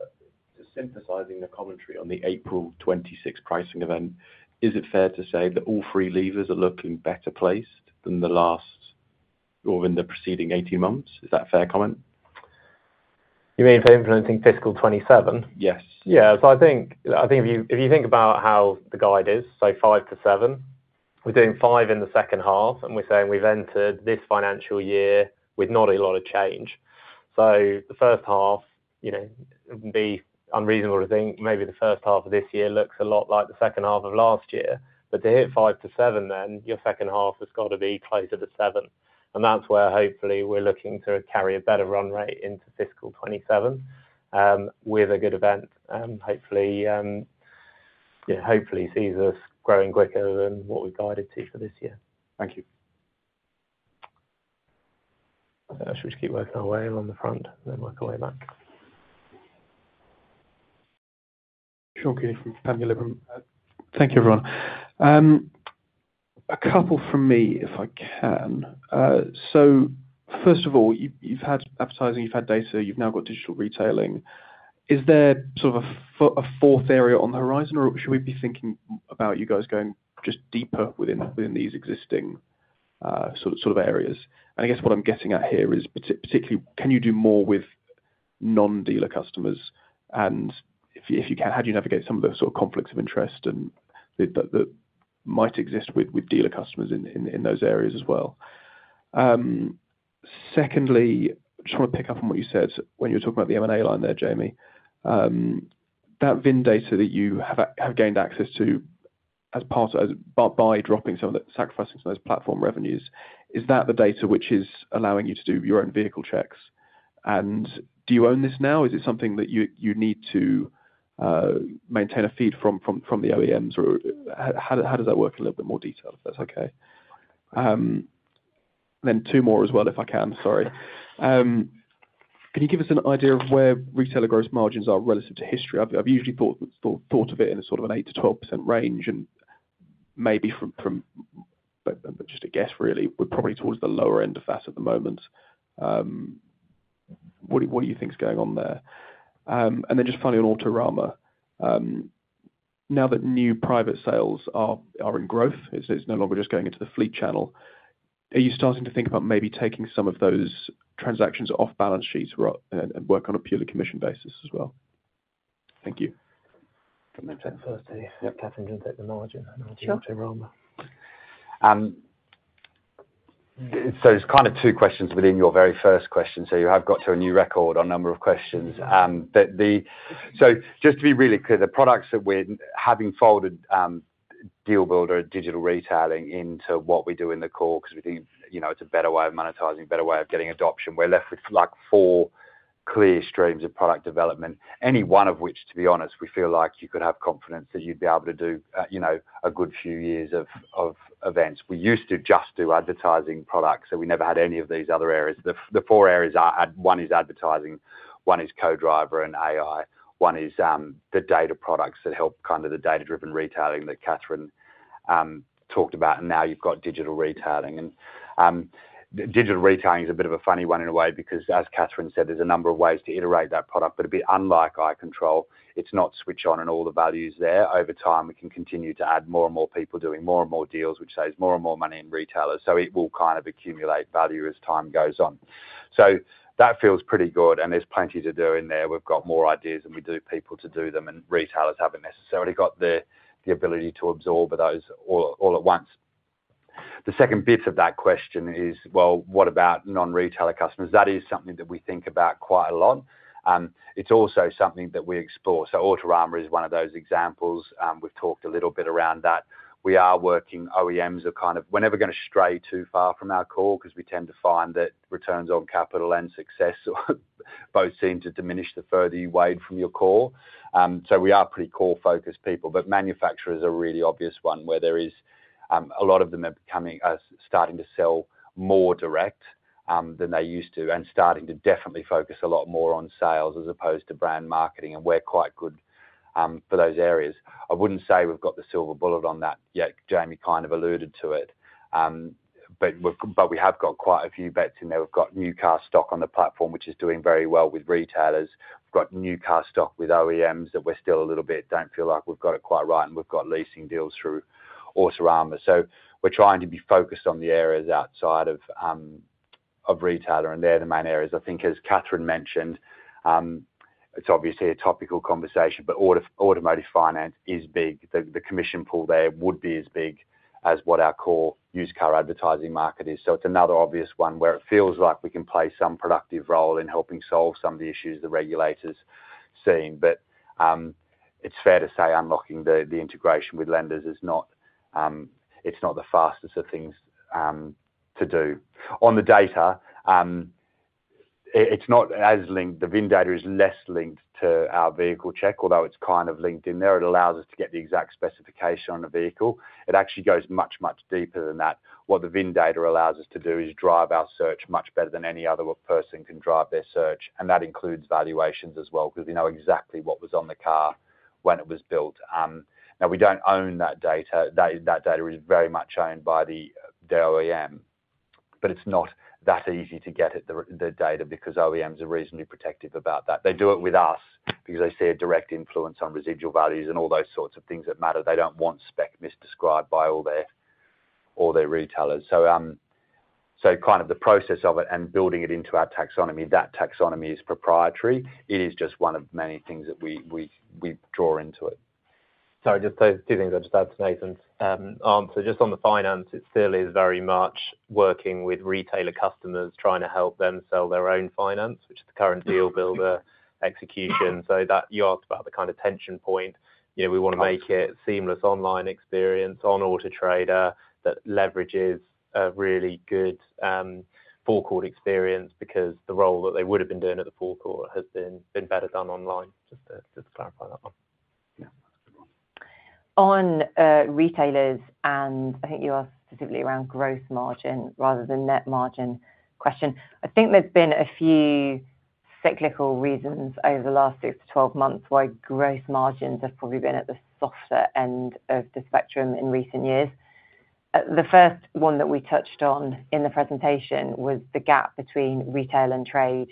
Speaker 4: To synthesizing the commentary on the April 2026 pricing event, is it fair to say that all three levers are looking better placed than the last or in the preceding 18 months? Is that a fair comment?
Speaker 2: You mean for influencing fiscal 2027?
Speaker 4: Yes.
Speaker 1: Yeah. I think if you think about how the guide is, five to seven, we are doing five in the second half, and we are saying we have entered this financial year with not a lot of change. The first half would not be unreasonable to think maybe the first half of this year looks a lot like the second half of last year, but to hit five to seven, then your second half has got to be closer to seven. That is where hopefully we are looking to carry a better run rate into fiscal 2027 with a good event and hopefully see us growing quicker than what we have guided to for this year. Thank you. Should we just keep working our way along the front and then work our way back? Sure, Kelly, if we can have your labor. Thank you, everyone. A couple from me, if I can. First of all, you have had advertising, you have had data, you have now got digital retailing. Is there sort of a fourth area on the horizon, or should we be thinking about you guys going just deeper within these existing sort of areas? I guess what I am getting at here is particularly, can you do more with non-dealer customers? If you can, how do you navigate some of the sort of conflicts of interest that might exist with dealer customers in those areas as well? Secondly, I just want to pick up on what you said when you were talking about the M&A line there, Jamie. That VIN data that you have gained access to by dropping some of the sacrificing some of those platform revenues, is that the data which is allowing you to do your own vehicle checks? Do you own this now? Is it something that you need to maintain a feed from the OEMs? How does that work in a little bit more detail if that's okay? Two more as well, if I can. Sorry. Can you give us an idea of where retailer gross margins are relative to history? I've usually thought of it in a sort of an 8%-12% range and maybe from, but just a guess really, we're probably towards the lower end of that at the moment. What do you think is going on there? And then just finally on Autorama, now that new private sales are in growth, it's no longer just going into the fleet channel. Are you starting to think about maybe taking some of those transactions off balance sheets and work on a purely commission basis as well? Thank you.
Speaker 2: Can they take the first two? Yeah, Catherine can take the margin and Autorama.
Speaker 1: So it's kind of two questions within your very first question. So you have got to a new record on number of questions.
Speaker 3: Just to be really clear, the products that we're having folded Deal Builder and digital retailing into what we do in the core because we think it's a better way of monetizing, a better way of getting adoption. We're left with four clear streams of product development, any one of which, to be honest, we feel like you could have confidence that you'd be able to do a good few years of events. We used to just do advertising products, so we never had any of these other areas. The four areas, one is advertising, one is Co-Driver and AI, one is the data products that help kind of the data-driven retailing that Catherine talked about, and now you've got digital retailing. Digital retailing is a bit of a funny one in a way because, as Catherine said, there's a number of ways to iterate that product, but a bit unlike eye control, it's not switch on and all the value is there. Over time, we can continue to add more and more people doing more and more deals, which saves more and more money in retailers. It will kind of accumulate value as time goes on. That feels pretty good, and there's plenty to do in there. We've got more ideas, and we do people to do them, and retailers haven't necessarily got the ability to absorb those all at once. The second bit of that question is, what about non-retailer customers? That is something that we think about quite a lot. It's also something that we explore. Autorama is one of those examples. We've talked a little bit around that. We are working OEMs are kind of, we're never going to stray too far from our core because we tend to find that returns on capital and success both seem to diminish the further you wade from your core. We are pretty core-focused people, but manufacturers are a really obvious one where there is a lot of them starting to sell more direct than they used to and starting to definitely focus a lot more on sales as opposed to brand marketing, and we're quite good for those areas. I wouldn't say we've got the silver bullet on that yet. Jamie kind of alluded to it, but we have got quite a few bets in there. We've got new car stock on the platform, which is doing very well with retailers. We've got new car stock with OEMs that we're still a little bit don't feel like we've got it quite right, and we've got leasing deals through Autorama. We are trying to be focused on the areas outside of retailer, and they're the main areas. I think, as Catherine mentioned, it's obviously a topical conversation, but automotive finance is big. The commission pool there would be as big as what our core used car advertising market is. It is another obvious one where it feels like we can play some productive role in helping solve some of the issues the regulators see. It is fair to say unlocking the integration with lenders, it's not the fastest of things to do. On the data, it's not as linked. The VIN data is less linked to our vehicle check, although it's kind of linked in there. It allows us to get the exact specification on a vehicle. It actually goes much, much deeper than that. What the VIN data allows us to do is drive our search much better than any other person can drive their search, and that includes valuations as well because we know exactly what was on the car when it was built. Now, we do not own that data. That data is very much owned by the OEM, but it is not that easy to get the data because OEMs are reasonably protective about that. They do it with us because they see a direct influence on residual values and all those sorts of things that matter. They do not want spec misdescribed by all their retailers. Kind of the process of it and building it into our taxonomy, that taxonomy is proprietary. It is just one of many things that we draw into it.
Speaker 2: Sorry, just two things I just had to Nathan's answer. Just on the finance, it still is very much working with retailer customers, trying to help them sell their own finance, which is the current Deal Builder execution. You asked about the kind of tension point. We want to make it a seamless online experience on Auto Trader that leverages a really good forecourt experience because the role that they would have been doing at the forecourt has been better done online. Just to clarify that one.
Speaker 3: On retailers, and I think you asked specifically around gross margin rather than net margin question, I think there have been a few cyclical reasons over the last 6 months-12 months why gross margins have probably been at the softer end of the spectrum in recent years. The first one that we touched on in the presentation was the gap between retail and trade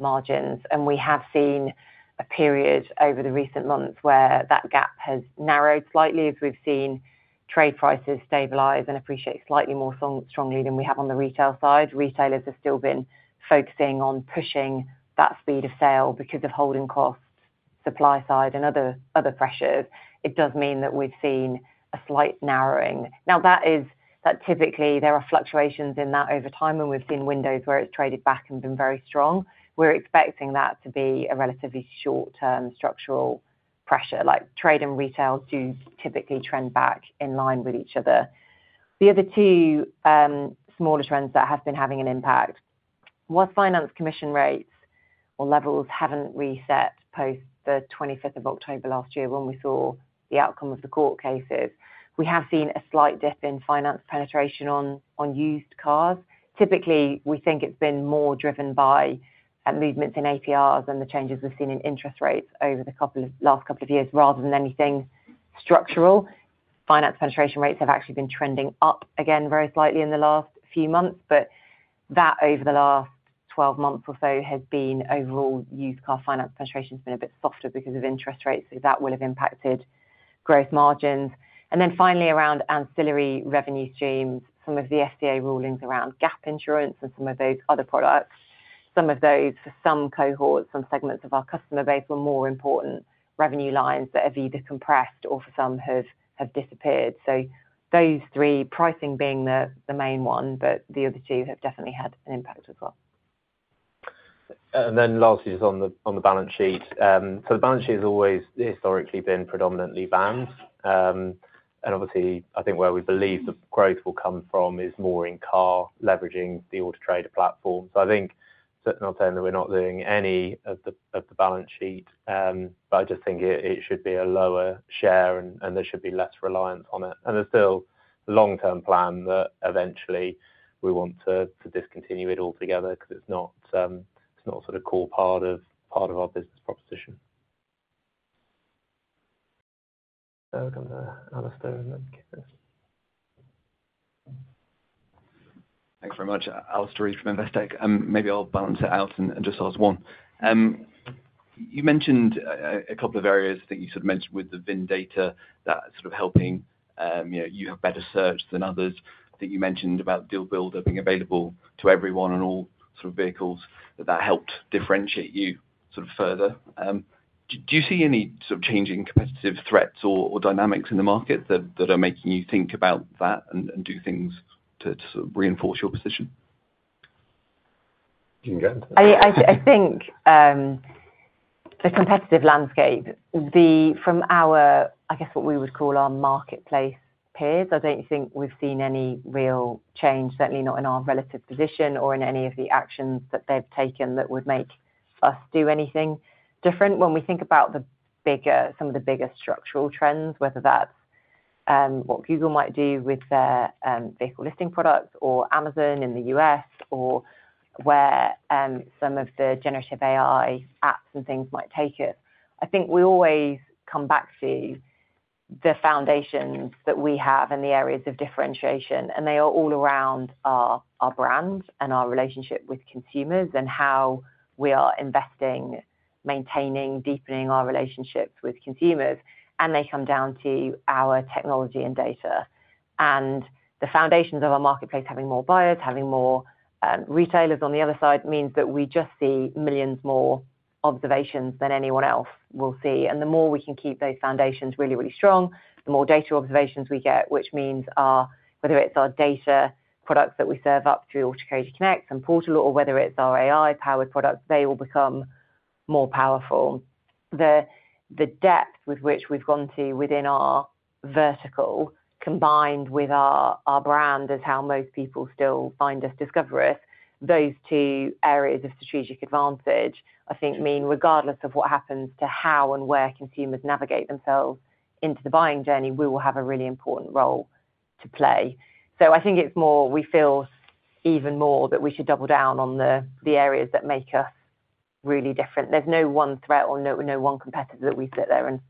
Speaker 3: margins, and we have seen a period over the recent months where that gap has narrowed slightly as we have seen trade prices stabilize and appreciate slightly more strongly than we have on the retail side. Retailers have still been focusing on pushing that speed of sale because of holding costs, supply side, and other pressures. It does mean that we have seen a slight narrowing. Now, that is typically there are fluctuations in that over time, and we have seen windows where it has traded back and been very strong. We are expecting that to be a relatively short-term structural pressure. Trade and retail do typically trend back in line with each other. The other two smaller trends that have been having an impact was finance commission rates or levels have not reset post the 25th of October last year when we saw the outcome of the court cases. We have seen a slight dip in finance penetration on used cars. Typically, we think it has been more driven by movements in APRs and the changes we have seen in interest rates over the last couple of years rather than anything structural. Finance penetration rates have actually been trending up again very slightly in the last few months, but that over the last 12 months or so has been overall used car finance penetration has been a bit softer because of interest rates, so that will have impacted gross margins. Finally, around ancillary revenue streams, some of the FDA rulings around gap insurance and some of those other products, some of those for some cohorts, some segments of our customer base were more important revenue lines that have either compressed or for some have disappeared. Those three, pricing being the main one, but the other two have definitely had an impact as well.
Speaker 2: Lastly, just on the balance sheet. The balance sheet has always historically been predominantly bands, and obviously, I think where we believe the growth will come from is more in car leveraging the Auto Trader platform. I think, certainly, I am not saying that we are not doing any of the balance sheet, but I just think it should be a lower share, and there should be less reliance on it.
Speaker 3: There is still a long-term plan that eventually we want to discontinue it altogether because it is not a core part of our business proposition.
Speaker 5: Thanks very much, Alastair Reid from Investec. Maybe I will balance it out and just ask one. You mentioned a couple of areas that you mentioned with the VIN data that is helping you have better search than others. I think you mentioned about Deal Builder being available to everyone on all vehicles, that that helped differentiate you further. Do you see any changing competitive threats or dynamics in the market that are making you think about that and do things to reinforce your position?
Speaker 1: You can go ahead.
Speaker 3: I think the competitive landscape from our, I guess, what we would call our marketplace peers, I do not think we have seen any real change, certainly not in our relative position or in any of the actions that they have taken that would make us do anything different. When we think about some of the bigger structural trends, whether that is what Google might do with their vehicle listing products or Amazon in the U.S. or where some of the generative AI apps and things might take us, I think we always come back to the foundations that we have in the areas of differentiation, and they are all around our brand and our relationship with consumers and how we are investing, maintaining, deepening our relationships with consumers. They come down to our technology and data. The foundations of our marketplace, having more buyers, having more retailers on the other side, means that we just see millions more observations than anyone else will see. The more we can keep those foundations really, really strong, the more data observations we get, which means whether it is our data products that we serve up through Auto Trader Connect and Portal or whether it is our AI-powered products, they will become more powerful. The depth with which we have gone to within our vertical, combined with our brand as how most people still find us, discover us, those two areas of strategic advantage, I think, mean regardless of what happens to how and where consumers navigate themselves into the buying journey, we will have a really important role to play. I think it's more we feel even more that we should double down on the areas that make us really different. There's no one threat or no one competitor that we sit there and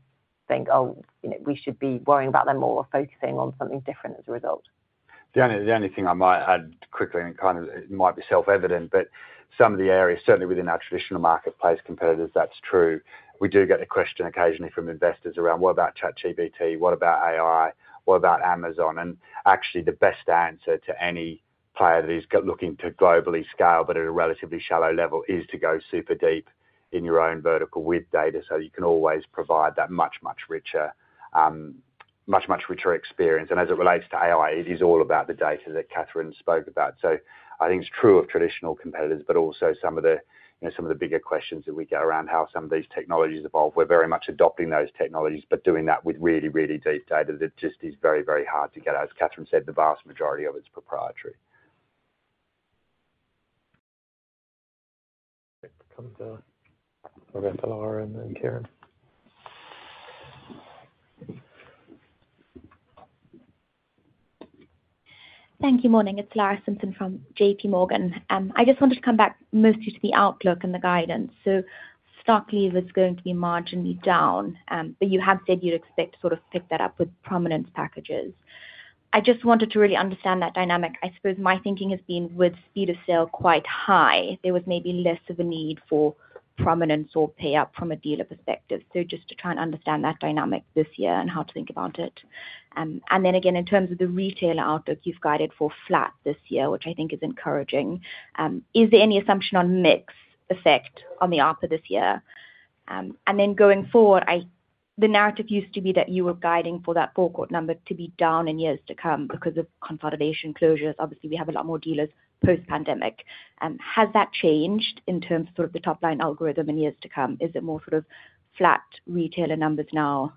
Speaker 3: think, "Oh, we should be worrying about them more or focusing on something different as a result."
Speaker 1: The only thing I might add quickly, and it might be self-evident, but some of the areas, certainly within our traditional marketplace competitors, that's true. We do get a question occasionally from investors around, "What about ChatGPT? What about AI? What about Amazon?" Actually, the best answer to any player that is looking to globally scale, but at a relatively shallow level, is to go super deep in your own vertical with data so that you can always provide that much, much richer experience. As it relates to AI, it is all about the data that Catherine spoke about. I think it is true of traditional competitors, but also some of the bigger questions that we get around how some of these technologies evolve. We are very much adopting those technologies, but doing that with really, really deep data that just is very, very hard to get. As Catherine said, the vast majority of it is proprietary. Come to Laura and Karen.
Speaker 6: Thank you. Morning. It is Laura Simpson from J.P. Morgan. I just wanted to come back mostly to the outlook and the guidance. Stock leave is going to be marginally down, but you have said you would expect to sort of pick that up with prominence packages. I just wanted to really understand that dynamic. I suppose my thinking has been with speed of sale quite high. There was maybe less of a need for prominence or pay-up from a dealer perspective. Just to try and understand that dynamic this year and how to think about it. In terms of the retailer outlook, you've guided for flat this year, which I think is encouraging. Is there any assumption on mix effect on the ARPA this year? Going forward, the narrative used to be that you were guiding for that forecourt number to be down in years to come because of consolidation closures. Obviously, we have a lot more dealers post-pandemic. Has that changed in terms of sort of the top-line algorithm in years to come? Is it more sort of flat retailer numbers now,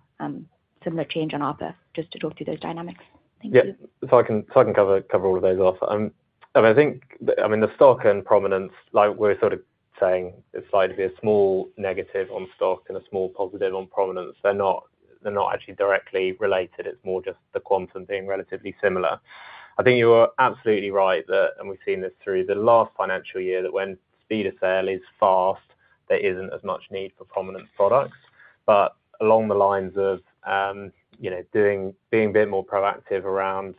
Speaker 6: similar change on ARPA? Just to talk through those dynamics. Thank you.
Speaker 2: Yeah. I can cover all of those off. I mean, I think, I mean, the stock and prominence, like we're sort of saying, it's like a small negative on stock and a small positive on prominence. They're not actually directly related. It's more just the quantum being relatively similar. I think you are absolutely right that, and we've seen this through the last financial year, that when speed of sale is fast, there isn't as much need for prominence products. Along the lines of being a bit more proactive around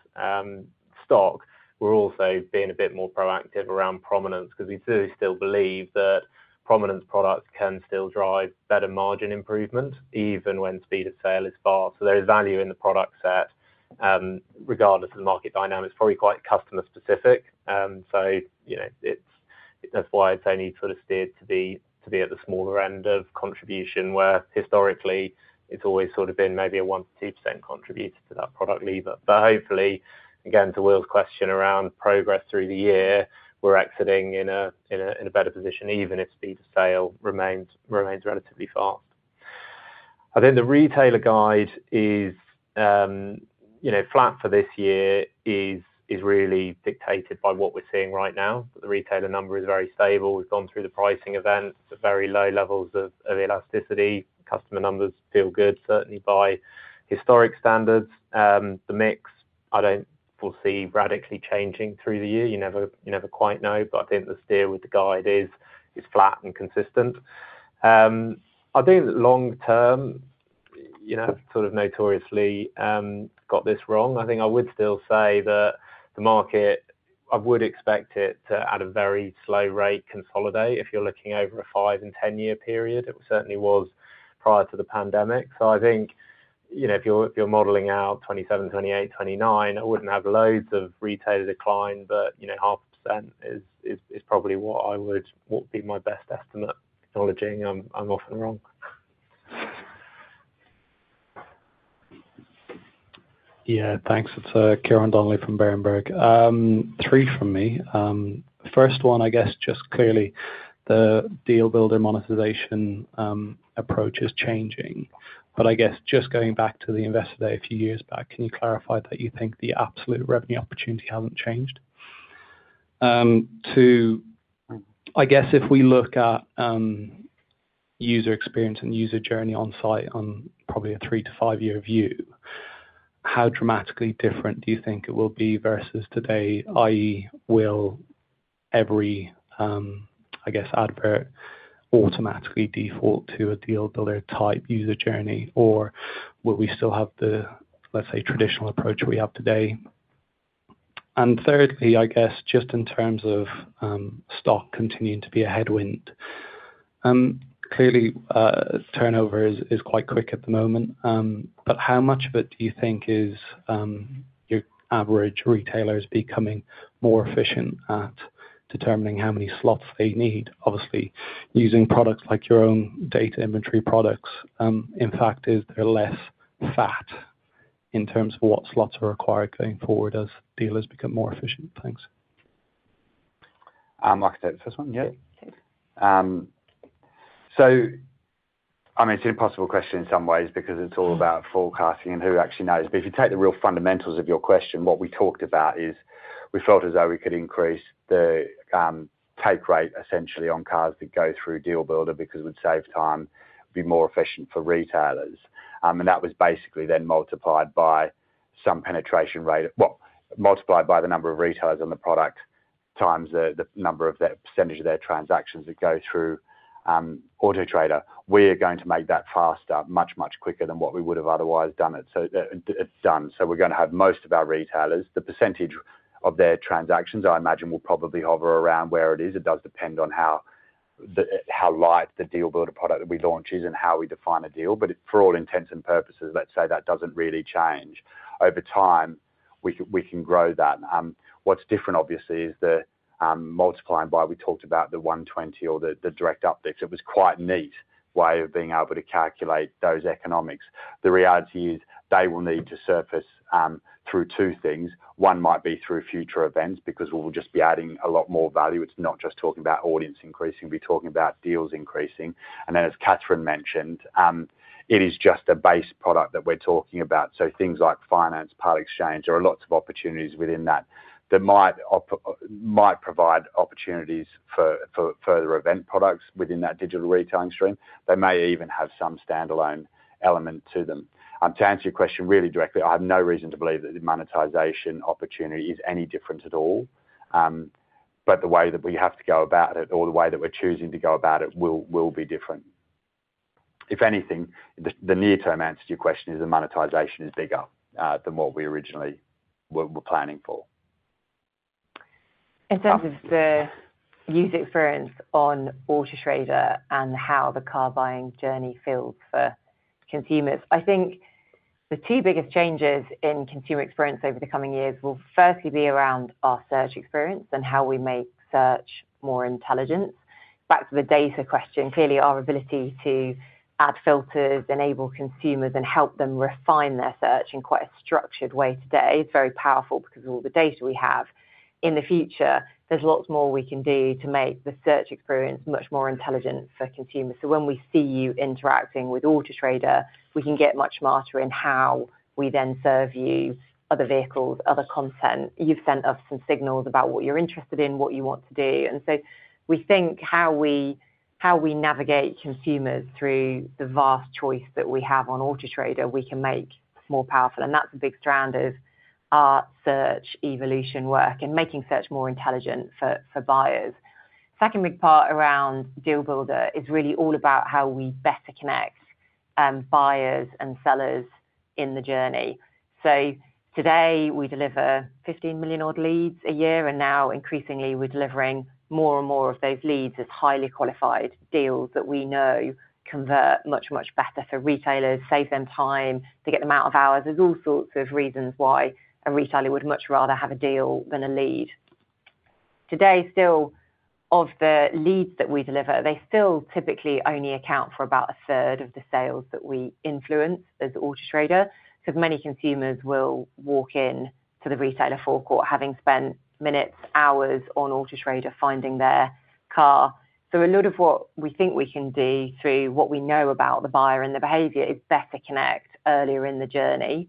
Speaker 2: stock, we're also being a bit more proactive around prominence because we do still believe that prominence products can still drive better margin improvement even when speed of sale is fast. There is value in the product set regardless of the market dynamics. Probably quite customer-specific. That is why it is only sort of steered to be at the smaller end of contribution where historically it has always sort of been maybe a 1%-2% contributor to that product lever. Hopefully, again, to Will's question around progress through the year, we are exiting in a better position even if speed of sale remains relatively fast. I think the retailer guide is flat for this year and is really dictated by what we are seeing right now. The retailer number is very stable. We have gone through the pricing event, very low levels of elasticity. Customer numbers feel good, certainly by historic standards. The mix, I do not foresee radically changing through the year. You never quite know, but I think the steer with the guide is flat and consistent. I think long-term, sort of notoriously, got this wrong. I think I would still say that the market, I would expect it to at a very slow rate consolidate if you're looking over a five and ten-year period. It certainly was prior to the pandemic. I think if you're modeling out 2027, 2028, 2029, I wouldn't have loads of retailer decline, but 0.5% is probably what I would be my best estimate. Acknowledging I'm often wrong.
Speaker 7: Yeah. Thanks. It's Karen Donnelly from Berenberg. Three from me. First one, I guess, just clearly the Deal Builder monetization approach is changing. I guess just going back to the investor there a few years back, can you clarify that you think the absolute revenue opportunity hasn't changed? I guess if we look at user experience and user journey on site on probably a three- to five-year view, how dramatically different do you think it will be versus today, i.e., will every, I guess, advert automatically default to a Deal Builder type user journey, or will we still have the, let's say, traditional approach we have today? Thirdly, I guess, just in terms of stock continuing to be a headwind, clearly turnover is quite quick at the moment, but how much of it do you think is your average retailers becoming more efficient at determining how many slots they need, obviously using products like your own data inventory products? In fact, is there less fat in terms of what slots are required going forward as dealers become more efficient? Thanks.
Speaker 1: I'll take the first one. Yeah. I mean, it's an impossible question in some ways because it's all about forecasting and who actually knows. If you take the real fundamentals of your question, what we talked about is we felt as though we could increase the take rate essentially on cars that go through Deal Builder because we'd save time, be more efficient for retailers. That was basically then multiplied by some penetration rate, multiplied by the number of retailers on the product times the percentage of their transactions that go through Auto Trader. We are going to make that faster, much, much quicker than what we would have otherwise done. We're going to have most of our retailers, the percentage of their transactions, I imagine, will probably hover around where it is. It does depend on how light the Deal Builder product that we launch is and how we define a deal. For all intents and purposes, let's say that does not really change. Over time, we can grow that. What is different, obviously, is the multiplying by we talked about the 120 or the direct updates. It was quite a neat way of being able to calculate those economics. The reality is they will need to surface through two things. One might be through future events because we will just be adding a lot more value. It is not just talking about audience increasing. We will be talking about deals increasing. As Catherine mentioned, it is just a base product that we are talking about. Things like finance, part exchange, there are lots of opportunities within that that might provide opportunities for further event products within that digital retailing stream. They may even have some standalone element to them. To answer your question really directly, I have no reason to believe that the monetization opportunity is any different at all. The way that we have to go about it or the way that we are choosing to go about it will be different. If anything, the near-term answer to your question is the monetization is bigger than what we originally were planning for.
Speaker 3: In terms of the user experience on Auto Trader and how the car buying journey feels for consumers, I think the two biggest changes in consumer experience over the coming years will firstly be around our search experience and how we make search more intelligent. Back to the data question, clearly our ability to add filters, enable consumers, and help them refine their search in quite a structured way today is very powerful because of all the data we have. In the future, there is lots more we can do to make the search experience much more intelligent for consumers. When we see you interacting with Auto Trader, we can get much smarter in how we then serve you other vehicles, other content. You have sent us some signals about what you are interested in, what you want to do. We think how we navigate consumers through the vast choice that we have on Auto Trader, we can make more powerful. That is a big strand of our search evolution work and making search more intelligent for buyers. The second big part around Deal Builder is really all about how we better connect buyers and sellers in the journey. Today, we deliver 15 million-odd leads a year, and now increasingly, we're delivering more and more of those leads as highly qualified deals that we know convert much, much better for retailers, save them time, to get them out of hours. There are all sorts of reasons why a retailer would much rather have a deal than a lead. Today, still, of the leads that we deliver, they still typically only account for about a third of the sales that we influence as Auto Trader. Many consumers will walk into the retailer forecourt having spent minutes, hours on Auto Trader finding their car. A lot of what we think we can do through what we know about the buyer and the behavior is better connect earlier in the journey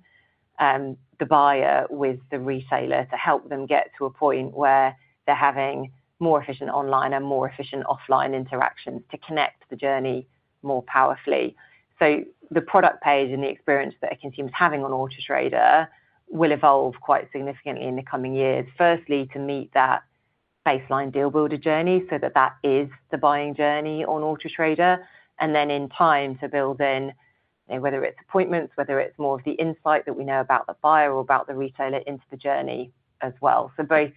Speaker 3: the buyer with the retailer to help them get to a point where they're having more efficient online and more efficient offline interactions to connect the journey more powerfully. The product page and the experience that a consumer is having on Auto Trader will evolve quite significantly in the coming years, firstly to meet that baseline Deal Builder journey so that that is the buying journey on Auto Trader, and then in time to build in whether it's appointments, whether it's more of the insight that we know about the buyer or about the retailer into the journey as well. Both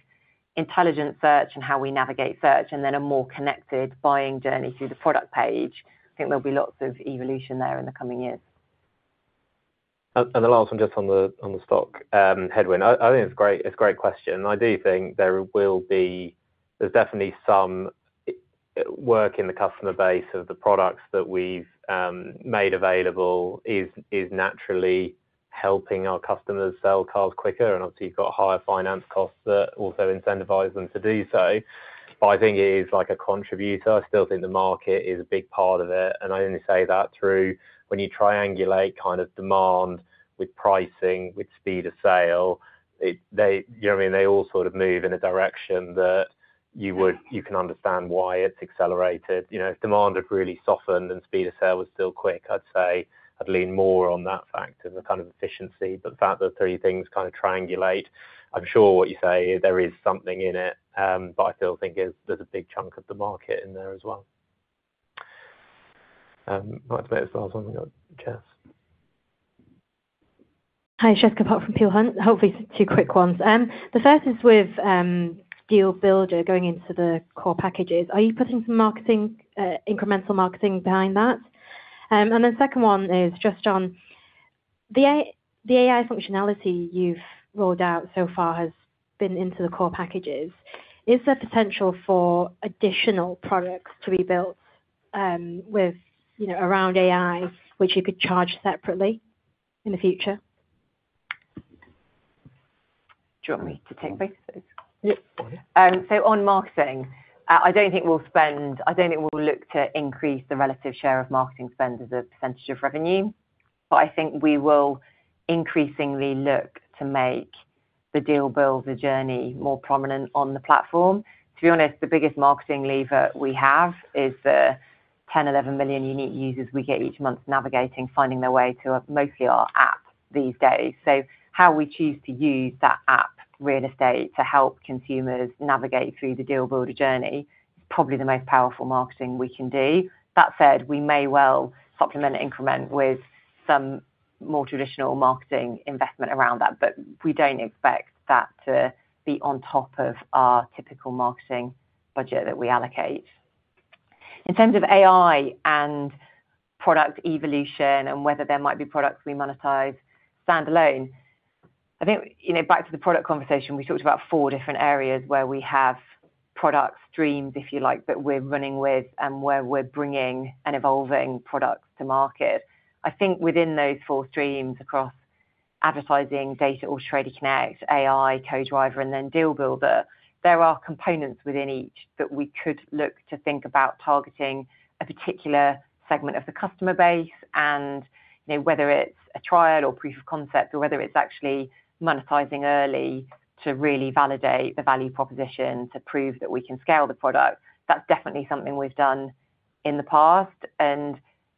Speaker 3: intelligent search and how we navigate search and then a more connected buying journey through the product page, I think there will be lots of evolution there in the coming years.
Speaker 7: The last one just on the stock.
Speaker 2: Headwind. I think it is a great question. I do think there will be, there is definitely some work in the customer base of the products that we have made available is naturally helping our customers sell cars quicker. Obviously, you have got higher finance costs that also incentivize them to do so. I think it is a contributor. I still think the market is a big part of it. I only say that through when you triangulate kind of demand with pricing, with speed of sale, you know what I mean? They all sort of move in a direction that you can understand why it is accelerated. If demand had really softened and speed of sale was still quick, I'd say I'd lean more on that factor, the kind of efficiency. The fact that the three things kind of triangulate, I'm sure what you say, there is something in it. I still think there's a big chunk of the market in there as well.
Speaker 1: I'd like to make this last one. We've got Jess.
Speaker 8: Hi, Jessica Pok from Peel Hunt, hopefully two quick ones. The first is with Deal Builder going into the core packages. Are you putting some incremental marketing behind that? The second one is just on the AI functionality you've rolled out so far has been into the core packages. Is there potential for additional products to be built around AI, which you could charge separately in the future?
Speaker 3: Do you want me to take both of those? Yeah. On marketing, I do not think we will spend, I do not think we will look to increase the relative share of marketing spend as a percentage of revenue. I think we will increasingly look to make the Deal Builder journey more prominent on the platform. To be honest, the biggest marketing lever we have is the 10-11 million unique users we get each month navigating, finding their way to mostly our app these days. How we choose to use that app real estate to help consumers navigate through the Deal Builder journey is probably the most powerful marketing we can do. That said, we may well supplement and increment with some more traditional marketing investment around that, but we do not expect that to be on top of our typical marketing budget that we allocate. In terms of AI and product evolution and whether there might be products we monetize standalone, I think back to the product conversation, we talked about four different areas where we have product streams, if you like, that we're running with and where we're bringing and evolving products to market. I think within those four streams across advertising, data or Auto Trader Connect, AI, Co-Driver, and then Deal Builder, there are components within each that we could look to think about targeting a particular segment of the customer base and whether it's a trial or proof of concept or whether it's actually monetizing early to really validate the value proposition to prove that we can scale the product. That's definitely something we've done in the past and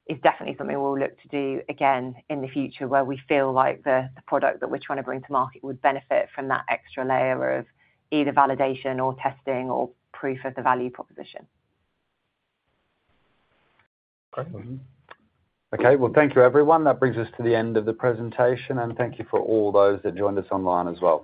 Speaker 3: is definitely something we'll look to do again in the future where we feel like the product that we're trying to bring to market would benefit from that extra layer of either validation or testing or proof of the value proposition.
Speaker 1: Great. Okay. Thank you, everyone. That brings us to the end of the presentation. Thank you for all those that joined us online as well.